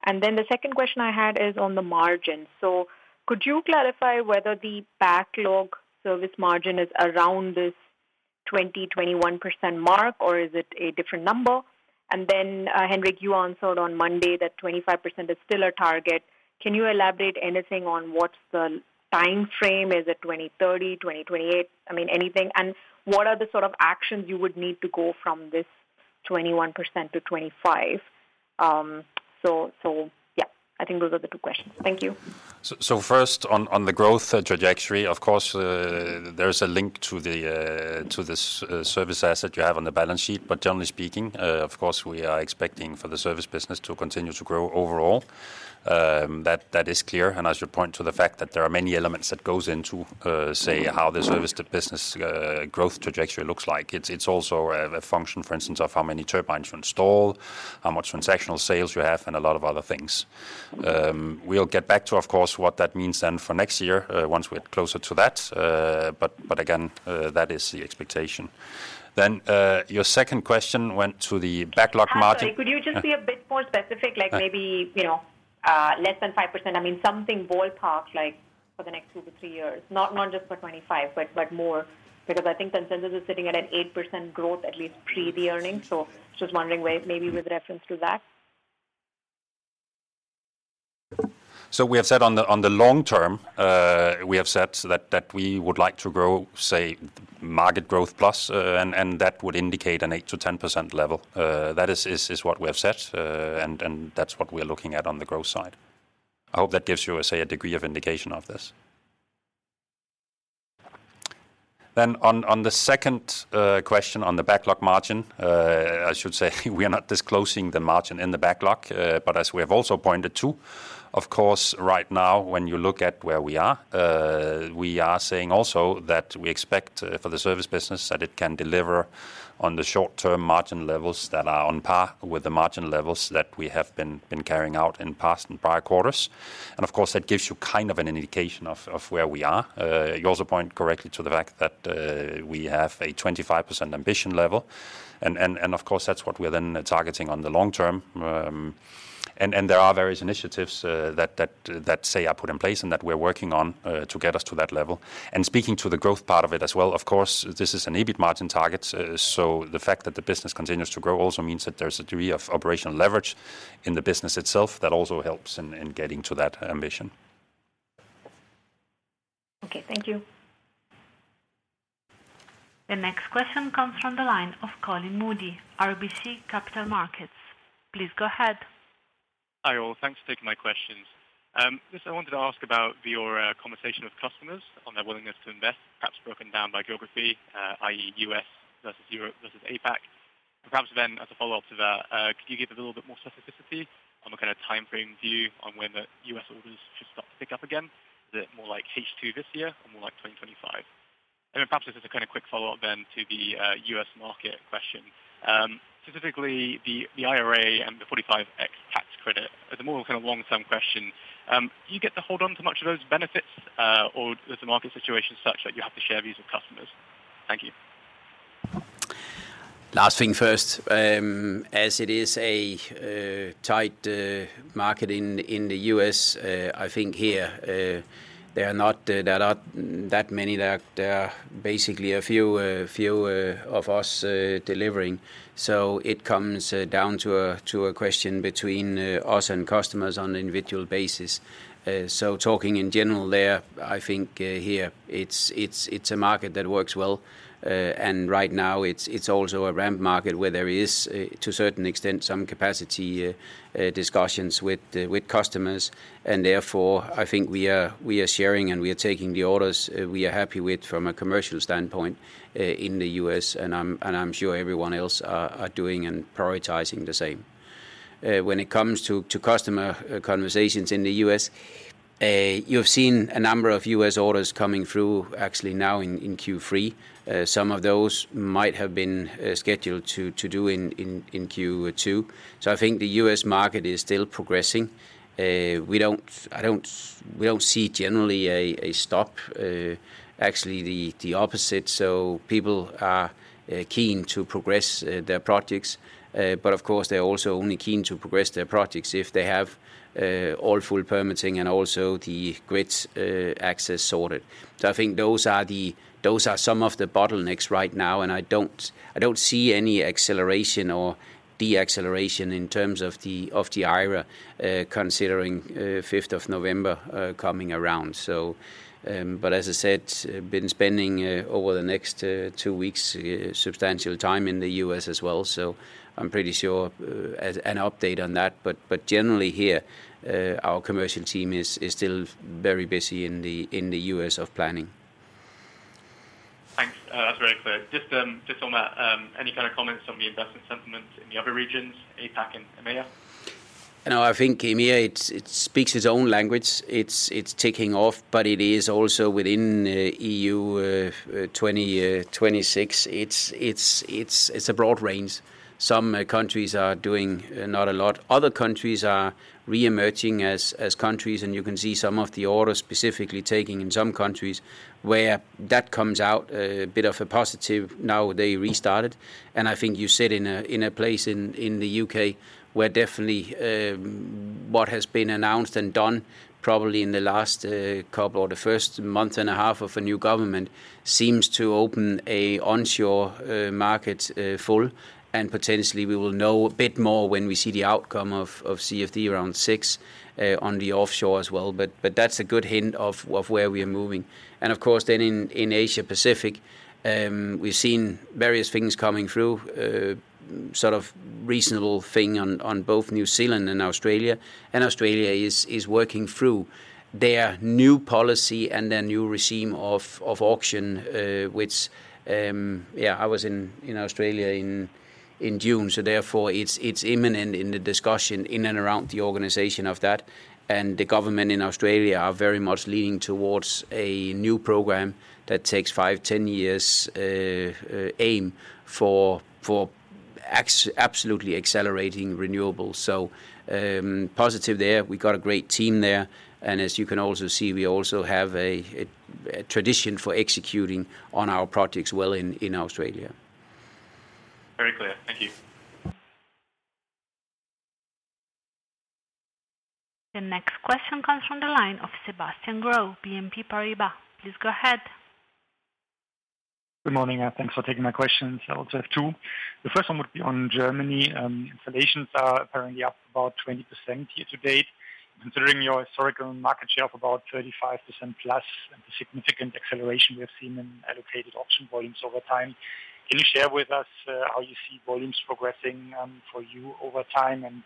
And then the second question I had is on the margin. So could you clarify whether the backlog Service margin is around this 20%-21% mark, or is it a different number? And then, Henrik, you answered on Monday that 25% is still a target. Can you elaborate anything on what's the timeframe? Is it 2030, 2028? I mean, anything. And what are the sort of actions you would need to go from this 21% to 25%? So yeah, I think those are the two questions. Thank you. So first, on the growth trajectory, of course, there's a link to the Service asset you have on the balance sheet, but generally speaking, of course, we are expecting for the Service business to continue to grow overall. That is clear, and I should point to the fact that there are many elements that goes into, say- Mm-hmm... how the Service business growth trajectory looks like. It's also a function, for instance, of how many turbines you install, how much transactional sales you have, and a lot of other things. We'll get back to, of course, what that means then for next year, once we're closer to that, but again, that is the expectation. Then, your second question went to the backlog margin. Sorry, could you just be a bit more specific? Like maybe, you know, less than 5%. I mean, something ballpark, like for the next 2-3 years. Not just for 25, but more, because I think consensus is sitting at an 8% growth, at least pre the earnings. So just wondering where maybe with reference to that. So we have said on the long term, we have said so that we would like to grow, say, market growth plus, and that would indicate an 8%-10% level. That is what we have said, and that's what we are looking at on the growth side. I hope that gives you, say, a degree of indication of this. Then, on the second question on the backlog margin, I should say, we are not disclosing the margin in the backlog, but as we have also pointed to, of course, right now, when you look at where we are, we are saying also that we expect, for the Service business, that it can deliver on the short-term margin levels that are on par with the margin levels that we have been carrying out in past and prior quarters. And of course, that gives you kind of an indication of where we are. You also point correctly to the fact that we have a 25% ambition level, and of course, that's what we're then targeting on the long term. And there are various initiatives that are put in place and that we're working on to get us to that level. And speaking to the growth part of it as well, of course, this is an EBIT margin target, so the fact that the business continues to grow also means that there's a degree of operational leverage in the business itself that also helps in getting to that ambition. Okay, thank you. The next question comes from the line of Colin Moody, RBC Capital Markets. Please go ahead. Hi, all. Thanks for taking my questions. First I wanted to ask about your conversation with customers on their willingness to invest, perhaps broken down by geography, i.e., US versus Europe versus APAC. And perhaps then, as a follow-up to that, could you give a little bit more specificity on what kind of timeframe view on when the US orders should start to pick up again? Is it more like H2 this year or more like 2025? And then perhaps just as a kind of quick follow-up then to the US market question, specifically the IRA and the 45X tax credit. As a more kind of long-term question, do you get to hold on to much of those benefits, or is the market situation such that you have to share these with customers? Thank you. Last thing first. As it is a tight market in the US, I think here, there are not that many that basically a few of us delivering. So it comes down to a question between us and customers on an individual basis. So talking in general there, I think here, it's a market that works well, and right now it's also a ramp market where there is to a certain extent some capacity discussions with customers, and therefore, I think we are sharing, and we are taking the orders we are happy with from a commercial standpoint in the US, and I'm sure everyone else are doing and prioritizing the same. When it comes to customer conversations in the US, you've seen a number of US orders coming through actually now in Q3. Some of those might have been scheduled to be due in Q2. So I think the US market is still progressing. We don't... I don't-- we don't see generally a stop, actually the opposite. So people are keen to progress their projects, but of course, they're also only keen to progress their projects if they have all full permitting and also the grid access sorted. So I think those are-- those are some of the bottlenecks right now, and I don't see any acceleration or deceleration in terms of the IRA, considering fifth of November coming around. But as I said, been spending over the next two weeks substantial time in the U.S. as well, so I'm pretty sure as an update on that. But generally here, our commercial team is still very busy in the U.S. of planning. Thanks. That's very clear. Just on that, any kind of comments on the investment sentiments in the other regions, APAC and EMEA?... You know, I think EMEA, it speaks its own language. It's taking off, but it is also within EU 2026. It's a broad range. Some countries are doing not a lot. Other countries are reemerging as countries, and you can see some of the orders specifically taking in some countries where that comes out, a bit of a positive now they restarted. And I think you sit in a place in the UK where definitely what has been announced and done probably in the last couple or the first month and a half of a new government seems to open a onshore market full, and potentially we will know a bit more when we see the outcome of CfD Round 6 on the offshore as well. But that's a good hint of where we are moving. And of course, then in Asia Pacific, we've seen various things coming through, sort of reasonable thing on both New Zealand and Australia. And Australia is working through their new policy and their new regime of auction, which... Yeah, I was in Australia in June, so therefore, it's imminent in the discussion in and around the organization of that. And the government in Australia are very much leaning towards a new program that takes 5-10 years, aim for absolutely accelerating renewables. So, positive there. We got a great team there, and as you can also see, we also have a tradition for executing on our projects well in Australia. Very clear. Thank you. The next question comes from the line of Sebastian Growe, BNP Paribas. Please go ahead. Good morning, thanks for taking my questions. I also have two. The first one would be on Germany. Installations are apparently up about 20% year to date. Considering your historical market share of about 35% plus, and the significant acceleration we've seen in allocated option volumes over time, can you share with us, how you see volumes progressing, for you over time? And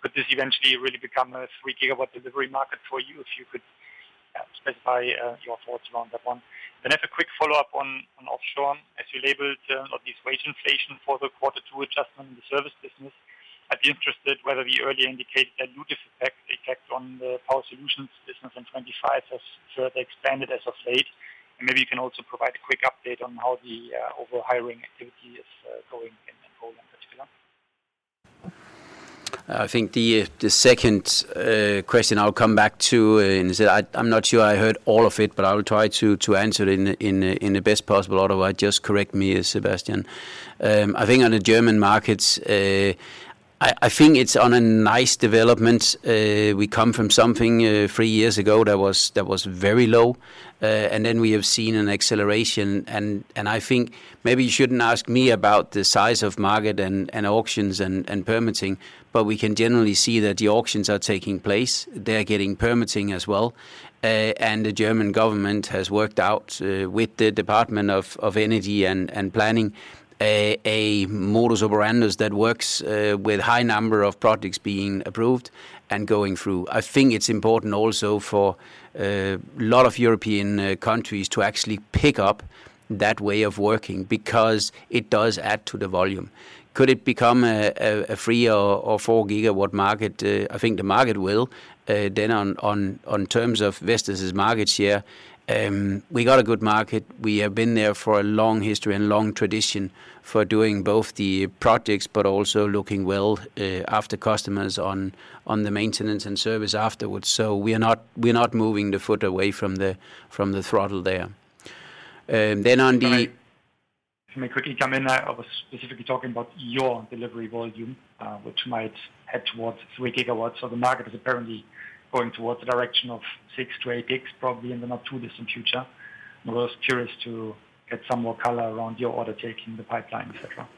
could this eventually really become a 3 GW delivery market for you, if you could, specify your thoughts around that one? Then I have a quick follow-up on offshore. As you labeled, this wage inflation for the quarter two adjustment in the Service business, I'd be interested whether the earlier indicated dilutive effect on the Power Solutions business in 2025 has further expanded as of late. Maybe you can also provide a quick update on how the overall hiring activity is going in that role in particular. I think the second question I'll come back to, and say I, I'm not sure I heard all of it, but I will try to answer it in the best possible otherwise, just correct me, Sebastian. I think on the German markets, I, I think it's on a nice development. We come from something three years ago that was very low. And then we have seen an acceleration, and I think maybe you shouldn't ask me about the size of market and auctions and permitting, but we can generally see that the auctions are taking place. They're getting permitting as well. The German government has worked out with the department of energy and planning a modus operandi that works with high number of projects being approved and going through. I think it's important also for a lot of European countries to actually pick up that way of working because it does add to the volume. Could it become a 3 or 4-gigawatt market? I think the market will. Then on terms of Vestas' market share, we got a good market. We have been there for a long history and long tradition for doing both the projects, but also looking well after customers on the maintenance and Service afterwards. So we are not, we're not moving the foot away from the throttle there. Then on the- If I may quickly come in, I was specifically talking about your delivery volume, which might head towards 3 GW. So the market is apparently going towards the direction of 6-8 GW, probably in the not too distant future. I'm just curious to get some more color around your order taking the pipeline, etc.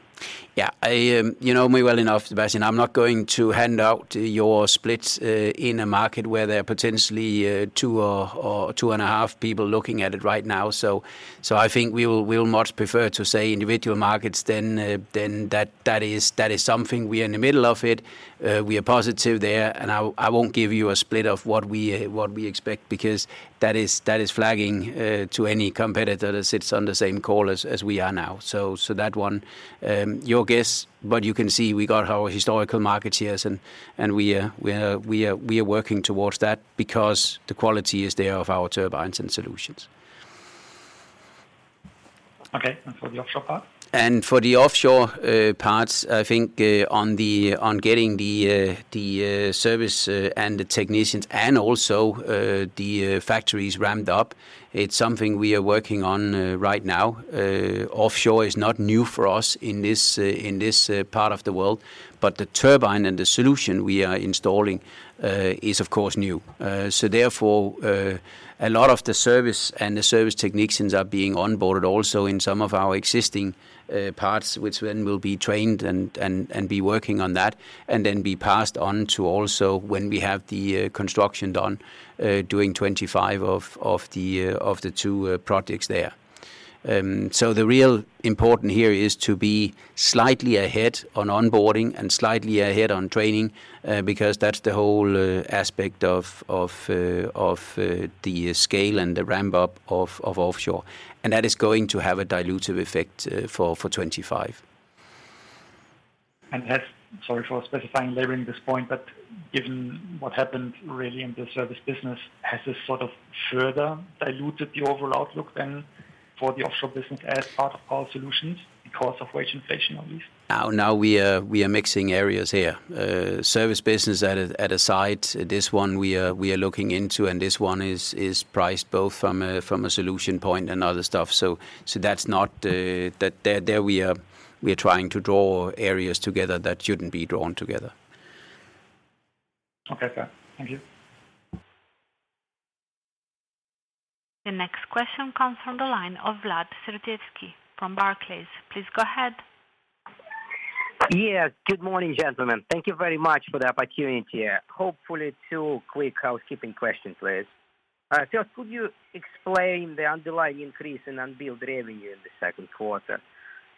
Yeah. I, you know me well enough, Sebastian, I'm not going to hand out your splits in a market where there are potentially two or two and a half people looking at it right now. So I think we will much prefer to say individual markets than that is something we are in the middle of it. We are positive there, and I won't give you a split of what we expect because that is flagging to any competitor that sits on the same call as we are now. So that one, your guess, but you can see we got our historical market shares and we are working towards that because the quality is there of our turbines and solutions. Okay, and for the offshore part? For the offshore parts, I think on getting the Service and the technicians and also the factories ramped up, it's something we are working on right now. Offshore is not new for us in this part of the world, but the turbine and the solution we are installing is of course new. So therefore, a lot of the Service and the Service technicians are being onboarded also in some of our existing parts, which then will be trained and be working on that, and then be passed on to also when we have the construction done during 2025 of the two projects there. So the really important here is to be slightly ahead on onboarding and slightly ahead on training, because that's the whole aspect of the scale and the ramp-up of offshore. And that is going to have a dilutive effect for 2025.... And has, sorry for specifying, laboring this point, but given what happened really in the Service business, has this sort of further diluted the overall outlook then for the offshore business as part of our solutions because of wage inflation, at least? Now we are mixing areas here. Service business aside, this one we are looking into, and this one is priced both from a solution point and other stuff. So that's not that there we are trying to draw areas together that shouldn't be drawn together. Okay, fair. Thank you. The next question comes from the line of Vladimir Sergievskiy from Barclays. Please go ahead. Yeah, good morning, gentlemen. Thank you very much for the opportunity. Hopefully, two quick housekeeping questions, please. First, could you explain the underlying increase in unbilled revenue in the second quarter?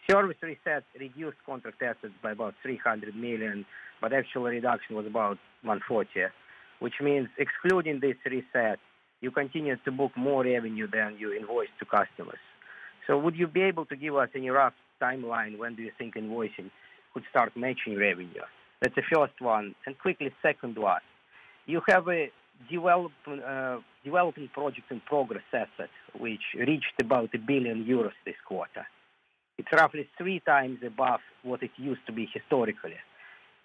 Service reset reduced contract assets by about 300 million, but actual reduction was about 140 million, which means excluding this reset, you continue to book more revenue than you invoice to customers. So would you be able to give us a rough timeline, when do you think invoicing could start matching revenue? That's the first one. And quickly, second one, you have a development, developing project and progress assets, which reached about 1 billion euros this quarter. It's roughly three times above what it used to be historically.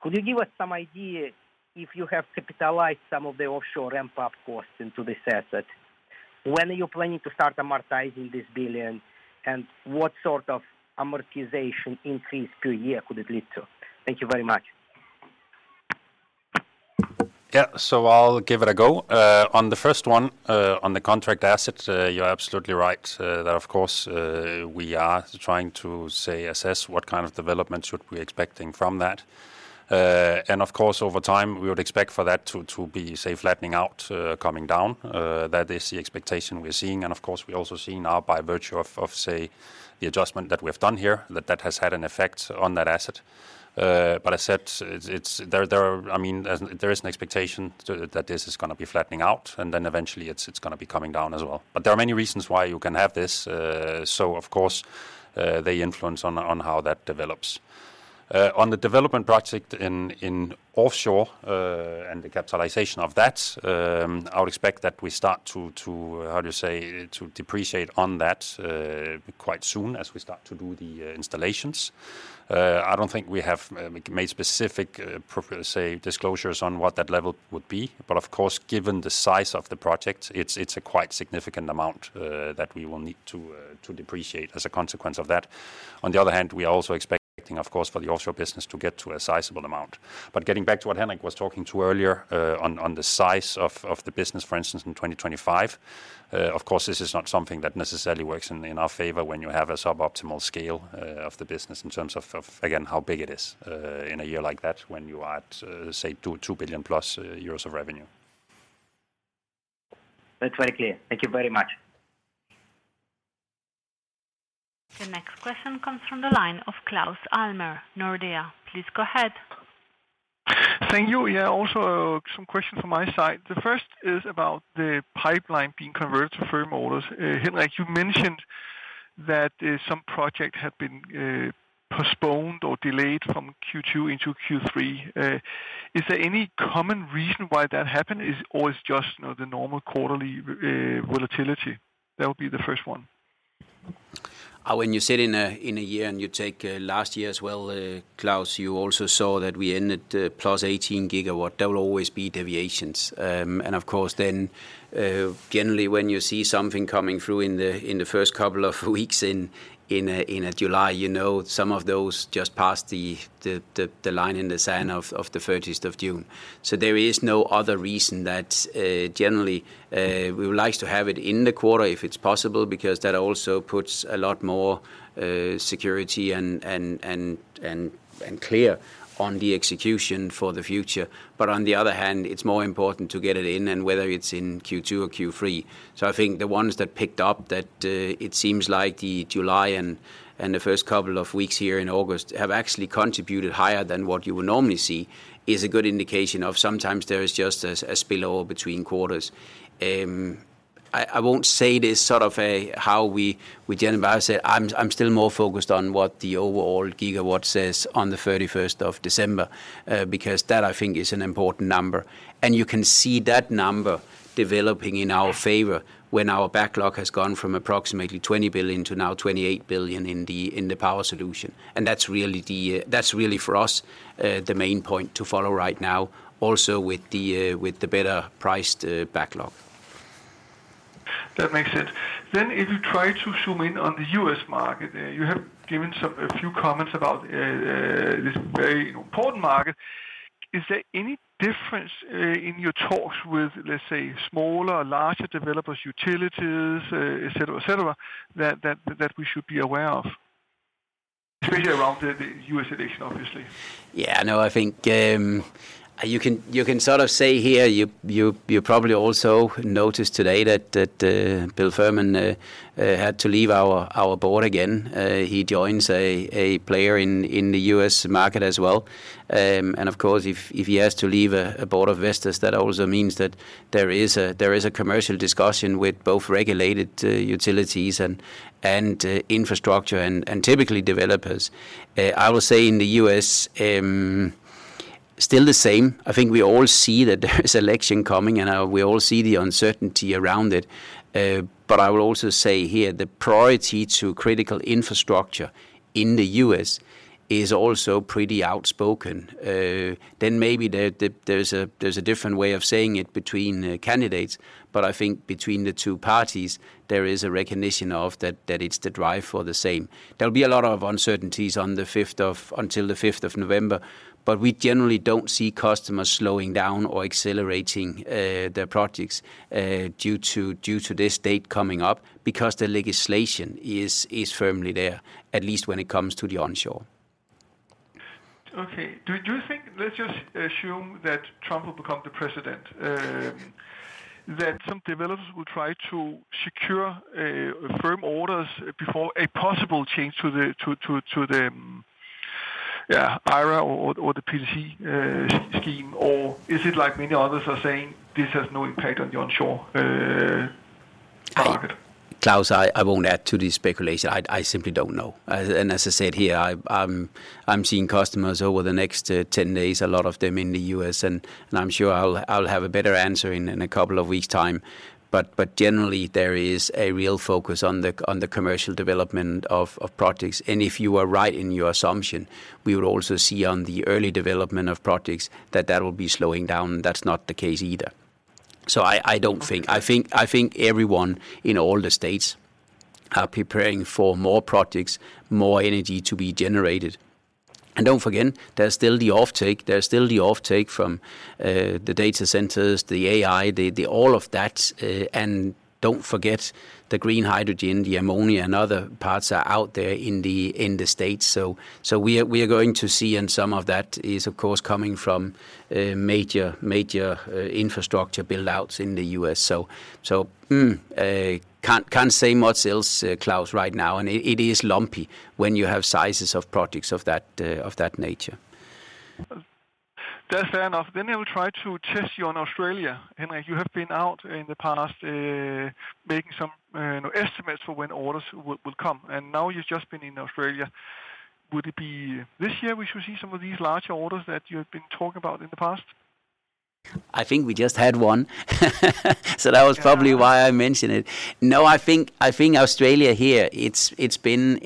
Could you give us some idea if you have capitalized some of the offshore ramp-up costs into this asset? When are you planning to start amortizing this 1 billion, and what sort of amortization increase per year could it lead to? Thank you very much. Yeah. So I'll give it a go. On the first one, on the contract asset, you're absolutely right, that of course, we are trying to say, assess what kind of development should we be expecting from that. And of course, over time, we would expect for that to, to be, say, flattening out, coming down. That is the expectation we're seeing. And of course, we also see now by virtue of, of say, the adjustment that we have done here, that that has had an effect on that asset. But I said, it's, it's, there, there are, I mean, there, there is an expectation that this is gonna be flattening out, and then eventually it's, it's gonna be coming down as well. But there are many reasons why you can have this, so of course, they influence on how that develops. On the development project in offshore and the capitalization of that, I would expect that we start to depreciate on that quite soon as we start to do the installations. I don't think we have made specific disclosures on what that level would be, but of course, given the size of the project, it's a quite significant amount that we will need to depreciate as a consequence of that. On the other hand, we are also expecting, of course, for the offshore business to get to a sizable amount. But getting back to what Henrik was talking to earlier, on the size of the business, for instance, in 2025, of course, this is not something that necessarily works in our favor when you have a suboptimal scale of the business in terms of, again, how big it is, in a year like that, when you are at, say, 2.2 billion euros plus of revenue. That's very clear. Thank you very much. The next question comes from the line of Claus Almer, Nordea. Please go ahead. Thank you. Yeah, also, some questions from my side. The first is about the pipeline being converted to firm orders. Henrik, you mentioned that some projects have been postponed or delayed from Q2 into Q3. Is there any common reason why that happened? Is or is just, you know, the normal quarterly volatility? That would be the first one. When you said in a year, and you take last year as well, Claus, you also saw that we ended plus 18 GW. There will always be deviations. And of course, then, generally, when you see something coming through in the first couple of weeks in July, you know, some of those just passed the line in the sand of the 30th of June. So there is no other reason that, generally, we would like to have it in the quarter if it's possible, because that also puts a lot more security and clear on the execution for the future. But on the other hand, it's more important to get it in and whether it's in Q2 or Q3. So I think the ones that picked up that it seems like the July and the first couple of weeks here in August have actually contributed higher than what you would normally see is a good indication of sometimes there is just a spillover between quarters. I won't say this sort of a, how we generally say, I'm still more focused on what the overall gigawatt says on the thirty-first of December, because that, I think, is an important number. You can see that number developing in our favor when our backlog has gone from approximately 20 billion to now 28 billion in Power Solutions. And that's really the, that's really, for us, the main point to follow right now, also with the better-priced backlog. That makes sense. If you try to zoom in on the US market, you have given a few comments about this very important market. Is there any difference in your talks with, let's say, smaller or larger developers, utilities, et cetera, et cetera, that we should be aware of? Especially around the US election, obviously. Yeah, no, I think you can sort of say here, you probably also noticed today that Bill Fehrman had to leave our board again. He joins a player in the U.S. market as well... and of course, if he has to leave a board of Vestas, that also means that there is a commercial discussion with both regulated utilities and infrastructure and typically developers. I will say in the U.S., still the same. I think we all see that there is election coming, and we all see the uncertainty around it. But I will also say here, the priority to critical infrastructure in the U.S. is also pretty outspoken. Then maybe there's a different way of saying it between candidates, but I think between the two parties, there is a recognition of that, that it's the drive for the same. There'll be a lot of uncertainties until the fifth of November, but we generally don't see customers slowing down or accelerating their projects due to this date coming up, because the legislation is firmly there, at least when it comes to the onshore. Okay. Do you think... Let's just assume that Trump will become the president, that some developers will try to secure firm orders before a possible change to the IRA or the PTC scheme, or is it like many others are saying, this has no impact on the onshore market? Claus, I won't add to the speculation. I simply don't know. And as I said here, I'm seeing customers over the next 10 days, a lot of them in the US, and I'm sure I'll have a better answer in a couple of weeks' time. But generally, there is a real focus on the commercial development of projects, and if you are right in your assumption, we would also see on the early development of projects that that will be slowing down. That's not the case either. So I don't think—I think everyone in all the states are preparing for more projects, more energy to be generated. And don't forget, there's still the offtake, there's still the offtake from the data centers, the AI, the all of that, and don't forget the green hydrogen, the ammonia, and other parts are out there in the States. So we are going to see, and some of that is, of course, coming from major infrastructure build-outs in the US. So can't say much else, Claus, right now, and it is lumpy when you have sizes of projects of that nature. That's fair enough. Then I will try to test you on Australia. Henrik, you have been out in the past, making some estimates for when orders will come, and now you've just been in Australia. Would it be this year, we should see some of these larger orders that you have been talking about in the past? I think we just had one. So that was probably why I mentioned it. No, I think Australia here, it's been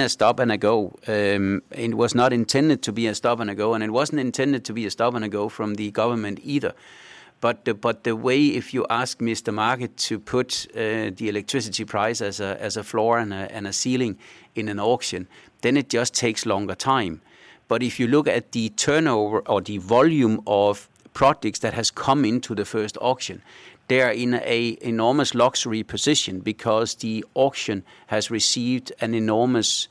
a stop and a go. It was not intended to be a stop and a go, and it wasn't intended to be a stop and a go from the government either. But the way if you ask Mr. Market to put the electricity price as a floor and a ceiling in an auction, then it just takes longer time. But if you look at the turnover or the volume of products that has come into the first auction, they are in an enormous luxury position because the auction has received an enormous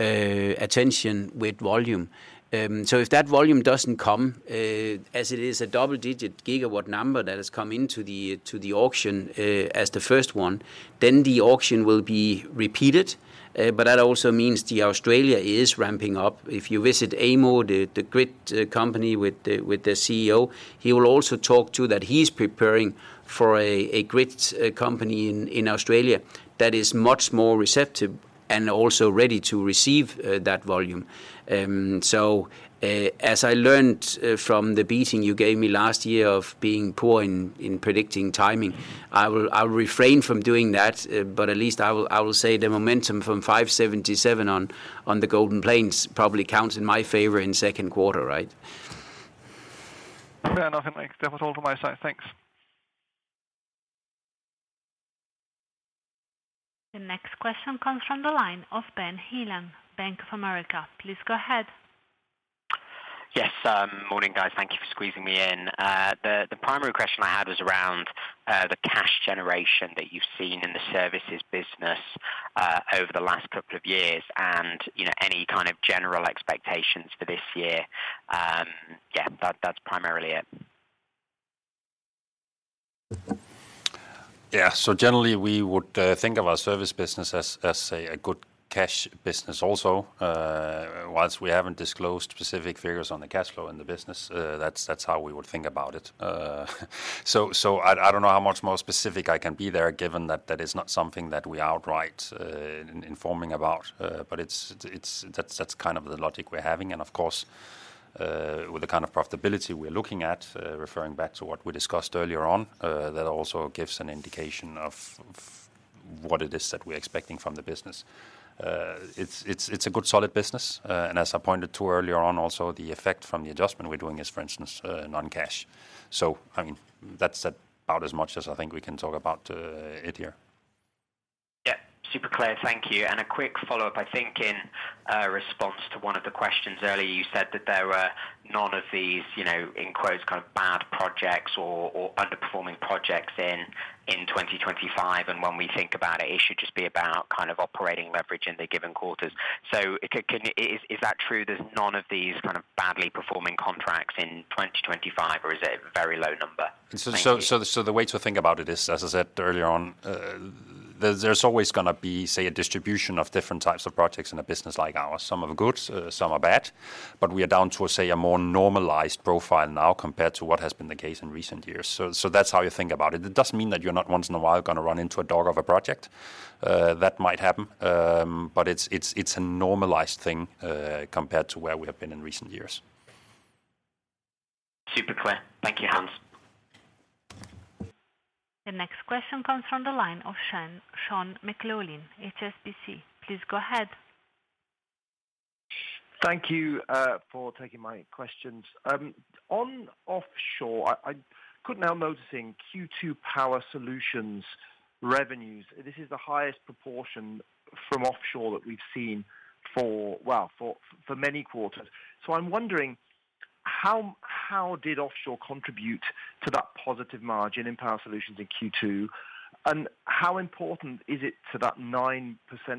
attention with volume. So if that volume doesn't come, as it is a double-digit gigawatt number that has come into the, to the auction, as the first one, then the auction will be repeated. But that also means Australia is ramping up. If you visit AEMO, the grid company with the CEO, he will also talk to that he's preparing for a grid company in Australia that is much more receptive and also ready to receive that volume. So, as I learned from the beating you gave me last year of being poor in predicting timing, I will refrain from doing that, but at least I will say the momentum from 577 on the Golden Plains probably counts in my favor in second quarter, right? Fair enough, Henrik. That was all from my side. Thanks. The next question comes from the line of Ben Heelan, Bank of America. Please go ahead. Yes, morning, guys. Thank you for squeezing me in. The primary question I had was around the cash generation that you've seen in the Services business over the last couple of years and, you know, any kind of general expectations for this year. Yeah, that's primarily it. Yeah. So generally, we would think of our Service business as a good cash business also. While we haven't disclosed specific figures on the cash flow in the business, that's how we would think about it. So I don't know how much more specific I can be there, given that that is not something that we outright informing about, but it's-- that's kind of the logic we're having. And of course, with the kind of profitability we're looking at, referring back to what we discussed earlier on, that also gives an indication of what it is that we're expecting from the business. It's a good, solid business, and as I pointed to earlier on, also, the effect from the adjustment we're doing is, for instance, non-cash. So, I mean, that's about as much as I think we can talk about it here. Yeah. Super clear, thank you. And a quick follow-up. I think in response to one of the questions earlier, you said that there were none of these, you know, in quotes, kind of bad projects or underperforming projects in 2025, and when we think about it, it should just be about kind of operating leverage in the given quarters. So, can is that true, there's none of these kind of badly performing contracts in 2025, or is it a very low number? Thank you. So the way to think about it is, as I said earlier on, there's always gonna be, say, a distribution of different types of projects in a business like ours. Some are good, some are bad, but we are down to, say, a more normalized profile now compared to what has been the case in recent years. So that's how you think about it. It doesn't mean that you're not once in a while gonna run into a dog of a project. That might happen, but it's a normalized thing compared to where we have been in recent years. Super clear. Thank you, Hans. The next question comes from the line of Sean McLoughlin, HSBC. Please go ahead. Thank you for taking my questions. On offshore, I'm now noticing Q2 Power Solutions revenues. This is the highest proportion from offshore that we've seen for, well, for many quarters. So I'm wondering, how did offshore contribute to that positive margin in Power Solutions in Q2? And how important is it to that 9%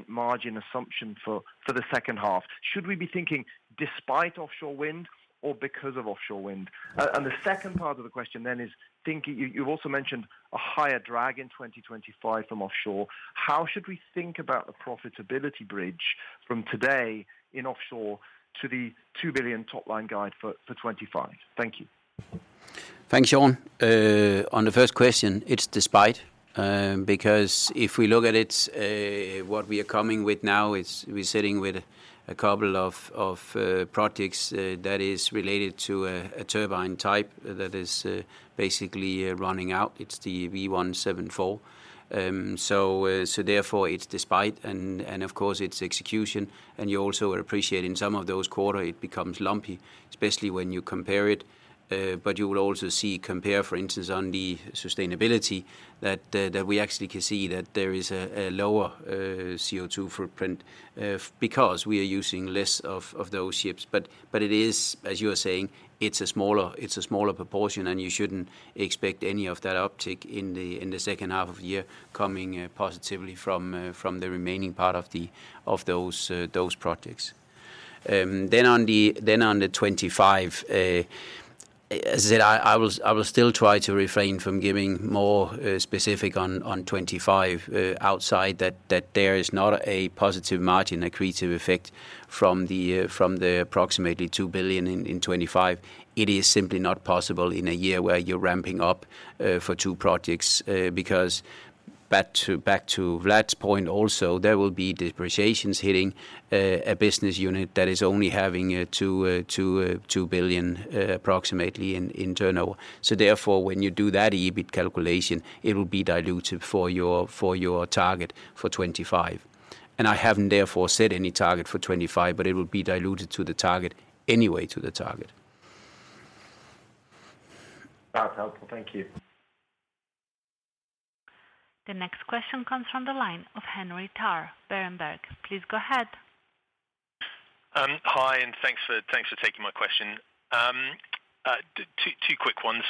margin assumption for the second half? Should we be thinking despite offshore wind or because of offshore wind? And the second part of the question then is, thinking—you've also mentioned a higher drag in 2025 from offshore. How should we think about the profitability bridge from today in offshore to the 2 billion top line guide for 2025? Thank you. Thanks, Sean. On the first question, it's despite, because if we look at it, what we are coming with now is we're sitting with a couple of projects that is related to a turbine type that is basically running out. It's the V174. So therefore, it's despite and of course, it's execution, and you also appreciate in some of those quarter, it becomes lumpy, especially when you compare it. But you will also see compare, for instance, on the sustainability that we actually can see that there is a lower CO2 footprint because we are using less of those ships. But it is, as you are saying, it's a smaller proportion, and you shouldn't expect any of that uptick in the second half of the year coming positively from the remaining part of those projects. Then on the 2025, as I said, I will still try to refrain from giving more specific on 2025 outside that there is not a positive margin accretive effect from the approximately 2 billion in 2025. It is simply not possible in a year where you're ramping up for two projects, because back to Vlad's point also, there will be depreciations hitting a business unit that is only having a 2 billion approximately in turnover. Therefore, when you do that EBIT calculation, it will be diluted for your target for 2025. I haven't therefore set any target for 2025, but it will be diluted to the target anyway. That's helpful. Thank you. The next question comes from the line of Henry Tarr, Berenberg. Please go ahead. Hi, and thanks for, thanks for taking my question. Two quick ones.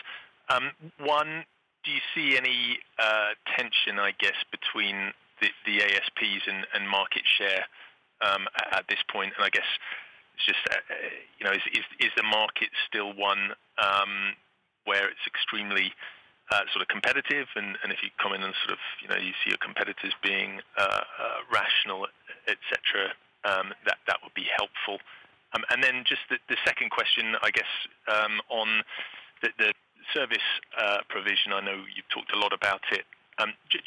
One, do you see any tension, I guess, between the ASPs and market share at this point? And I guess it's just, you know, is the market still one where it's extremely sort of competitive? And if you come in and sort of, you know, you see your competitors being rational, et cetera, that would be helpful. And then just the second question, I guess, on the Service provision. I know you've talked a lot about it.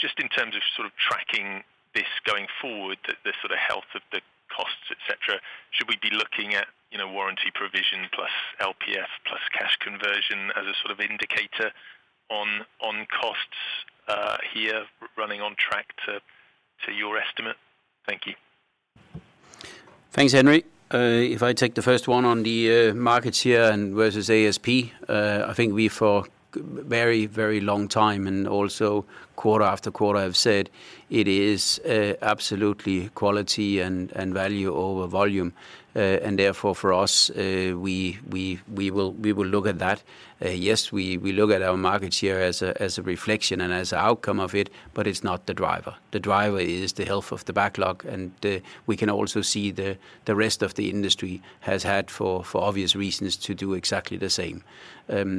Just in terms of sort of tracking this going forward, the sort of health of the costs, et cetera, should we be looking at, you know, warranty provision plus LPF plus cash conversion as a sort of indicator on costs here running on track to your estimate? Thank you. Thanks, Henry. If I take the first one on the market share and versus ASP, I think we, for a very, very long time and also quarter after quarter have said it is absolutely quality and, and value over volume. And therefore, for us, we, we, we will, we will look at that. Yes, we, we look at our market share as a, as a reflection and as an outcome of it, but it's not the driver. The driver is the health of the backlog, and we can also see the, the rest of the industry has had, for obvious reasons, to do exactly the same.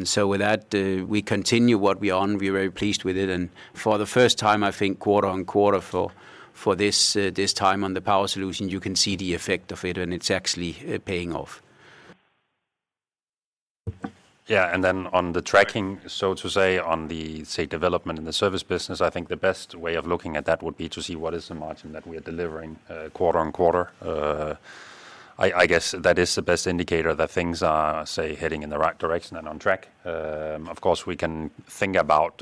So with that, we continue what we are on. We're very pleased with it, and for the first time, I think quarter-over-quarter for this time on the Power Solutions, you can see the effect of it, and it's actually paying off. Yeah, and then on the tracking, so to say, on the, say, development in the Service business, I think the best way of looking at that would be to see what is the margin that we are delivering quarter-on-quarter. I guess that is the best indicator that things are, say, heading in the right direction and on track. Of course, we can think about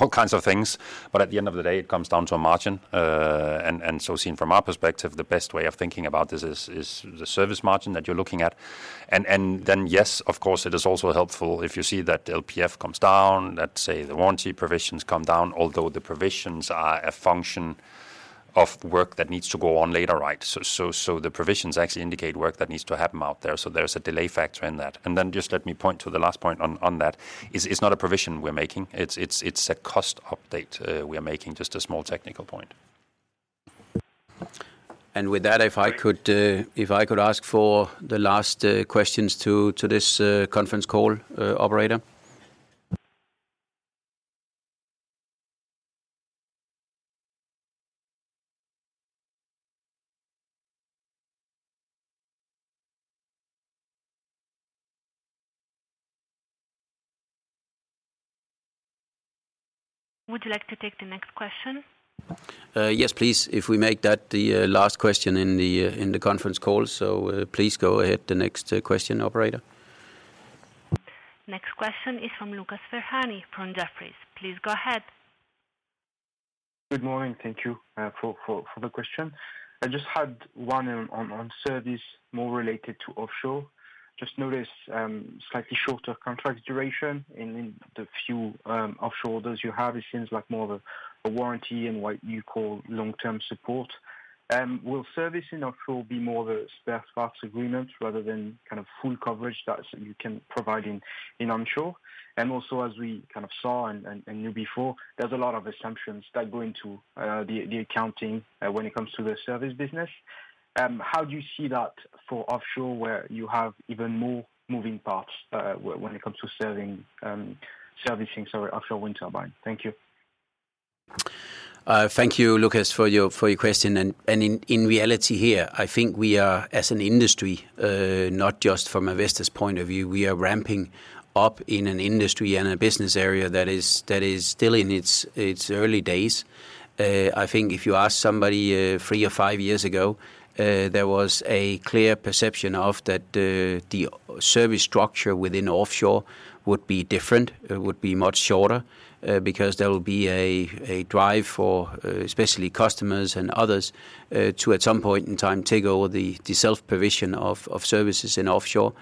all kinds of things, but at the end of the day, it comes down to a margin. And so seen from our perspective, the best way of thinking about this is the Service margin that you're looking at. Then, yes, of course, it is also helpful if you see that LPF comes down, let's say the warranty provisions come down, although the provisions are a function of work that needs to go on later, right? So the provisions actually indicate work that needs to happen out there, so there's a delay factor in that. And then just let me point to the last point on that. It's not a provision we're making, it's a cost update we are making, just a small technical point. ...And with that, if I could ask for the last questions to this conference call, operator? Would you like to take the next question? Yes, please, if we make that the last question in the conference call. So, please go ahead, the next question, operator. Next question is from Lucas Ferhani from Jefferies. Please go ahead. Good morning. Thank you for the question. I just had one on Service more related to offshore. Just notice slightly shorter contract duration in the few offshore orders you have. It seems like more of a warranty and what you call long-term support. Will Service in offshore be more of a spare parts agreement rather than kind of full coverage that you can provide in onshore? And also, as we kind of saw and knew before, there's a lot of assumptions that go into the accounting when it comes to the Service business. How do you see that for offshore, where you have even more moving parts when it comes to serving, servicing, sorry, offshore wind turbine? Thank you. Thank you, Lucas, for your question. In reality here, I think we are as an industry, not just from Vestas' point of view, we are ramping up in an industry and a business area that is still in its early days. I think if you ask somebody three or five years ago, there was a clear perception that the Service structure within offshore would be different. It would be much shorter, because there will be a drive for, especially customers and others, to at some point in time take over the self-provision of Services in offshore.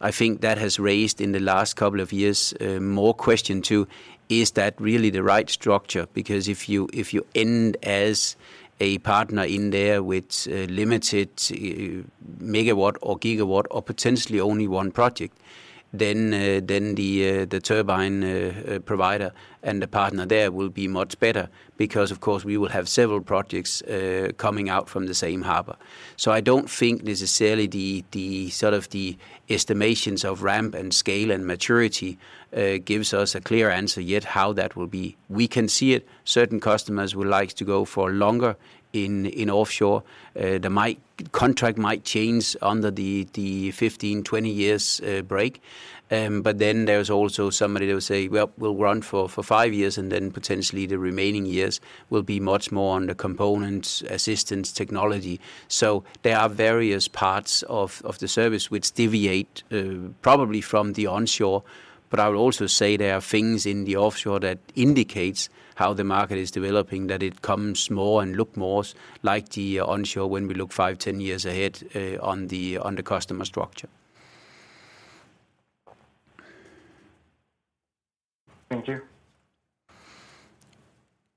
I think that has raised, in the last couple of years, more questions to: Is that really the right structure? Because if you, if you end as a partner in there with limited megawatt or gigawatt or potentially only one project, then the turbine provider and the partner there will be much better because, of course, we will have several projects coming out from the same harbor. So I don't think necessarily the sort of the estimations of ramp and scale and maturity gives us a clear answer yet how that will be. We can see it. Certain customers would like to go for longer in offshore. There might contract might change under the 15-20 years break. But then there's also somebody that will say, "Well, we'll run for five years, and then potentially the remaining years will be much more on the components, assistance, technology." So there are various parts of the Service which deviate, probably from the onshore, but I would also say there are things in the offshore that indicates how the market is developing, that it comes more and look more like the onshore when we look five, ten years ahead, on the customer structure. Thank you.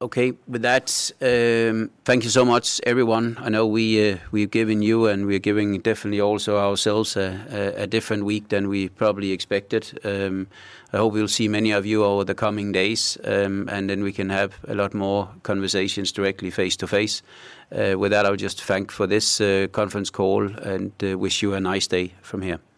Okay. With that, thank you so much, everyone. I know we, we've given you, and we're giving definitely also ourselves, a different week than we probably expected. I hope we'll see many of you over the coming days, and then we can have a lot more conversations directly face to face. With that, I would just thank for this conference call and wish you a nice day from here.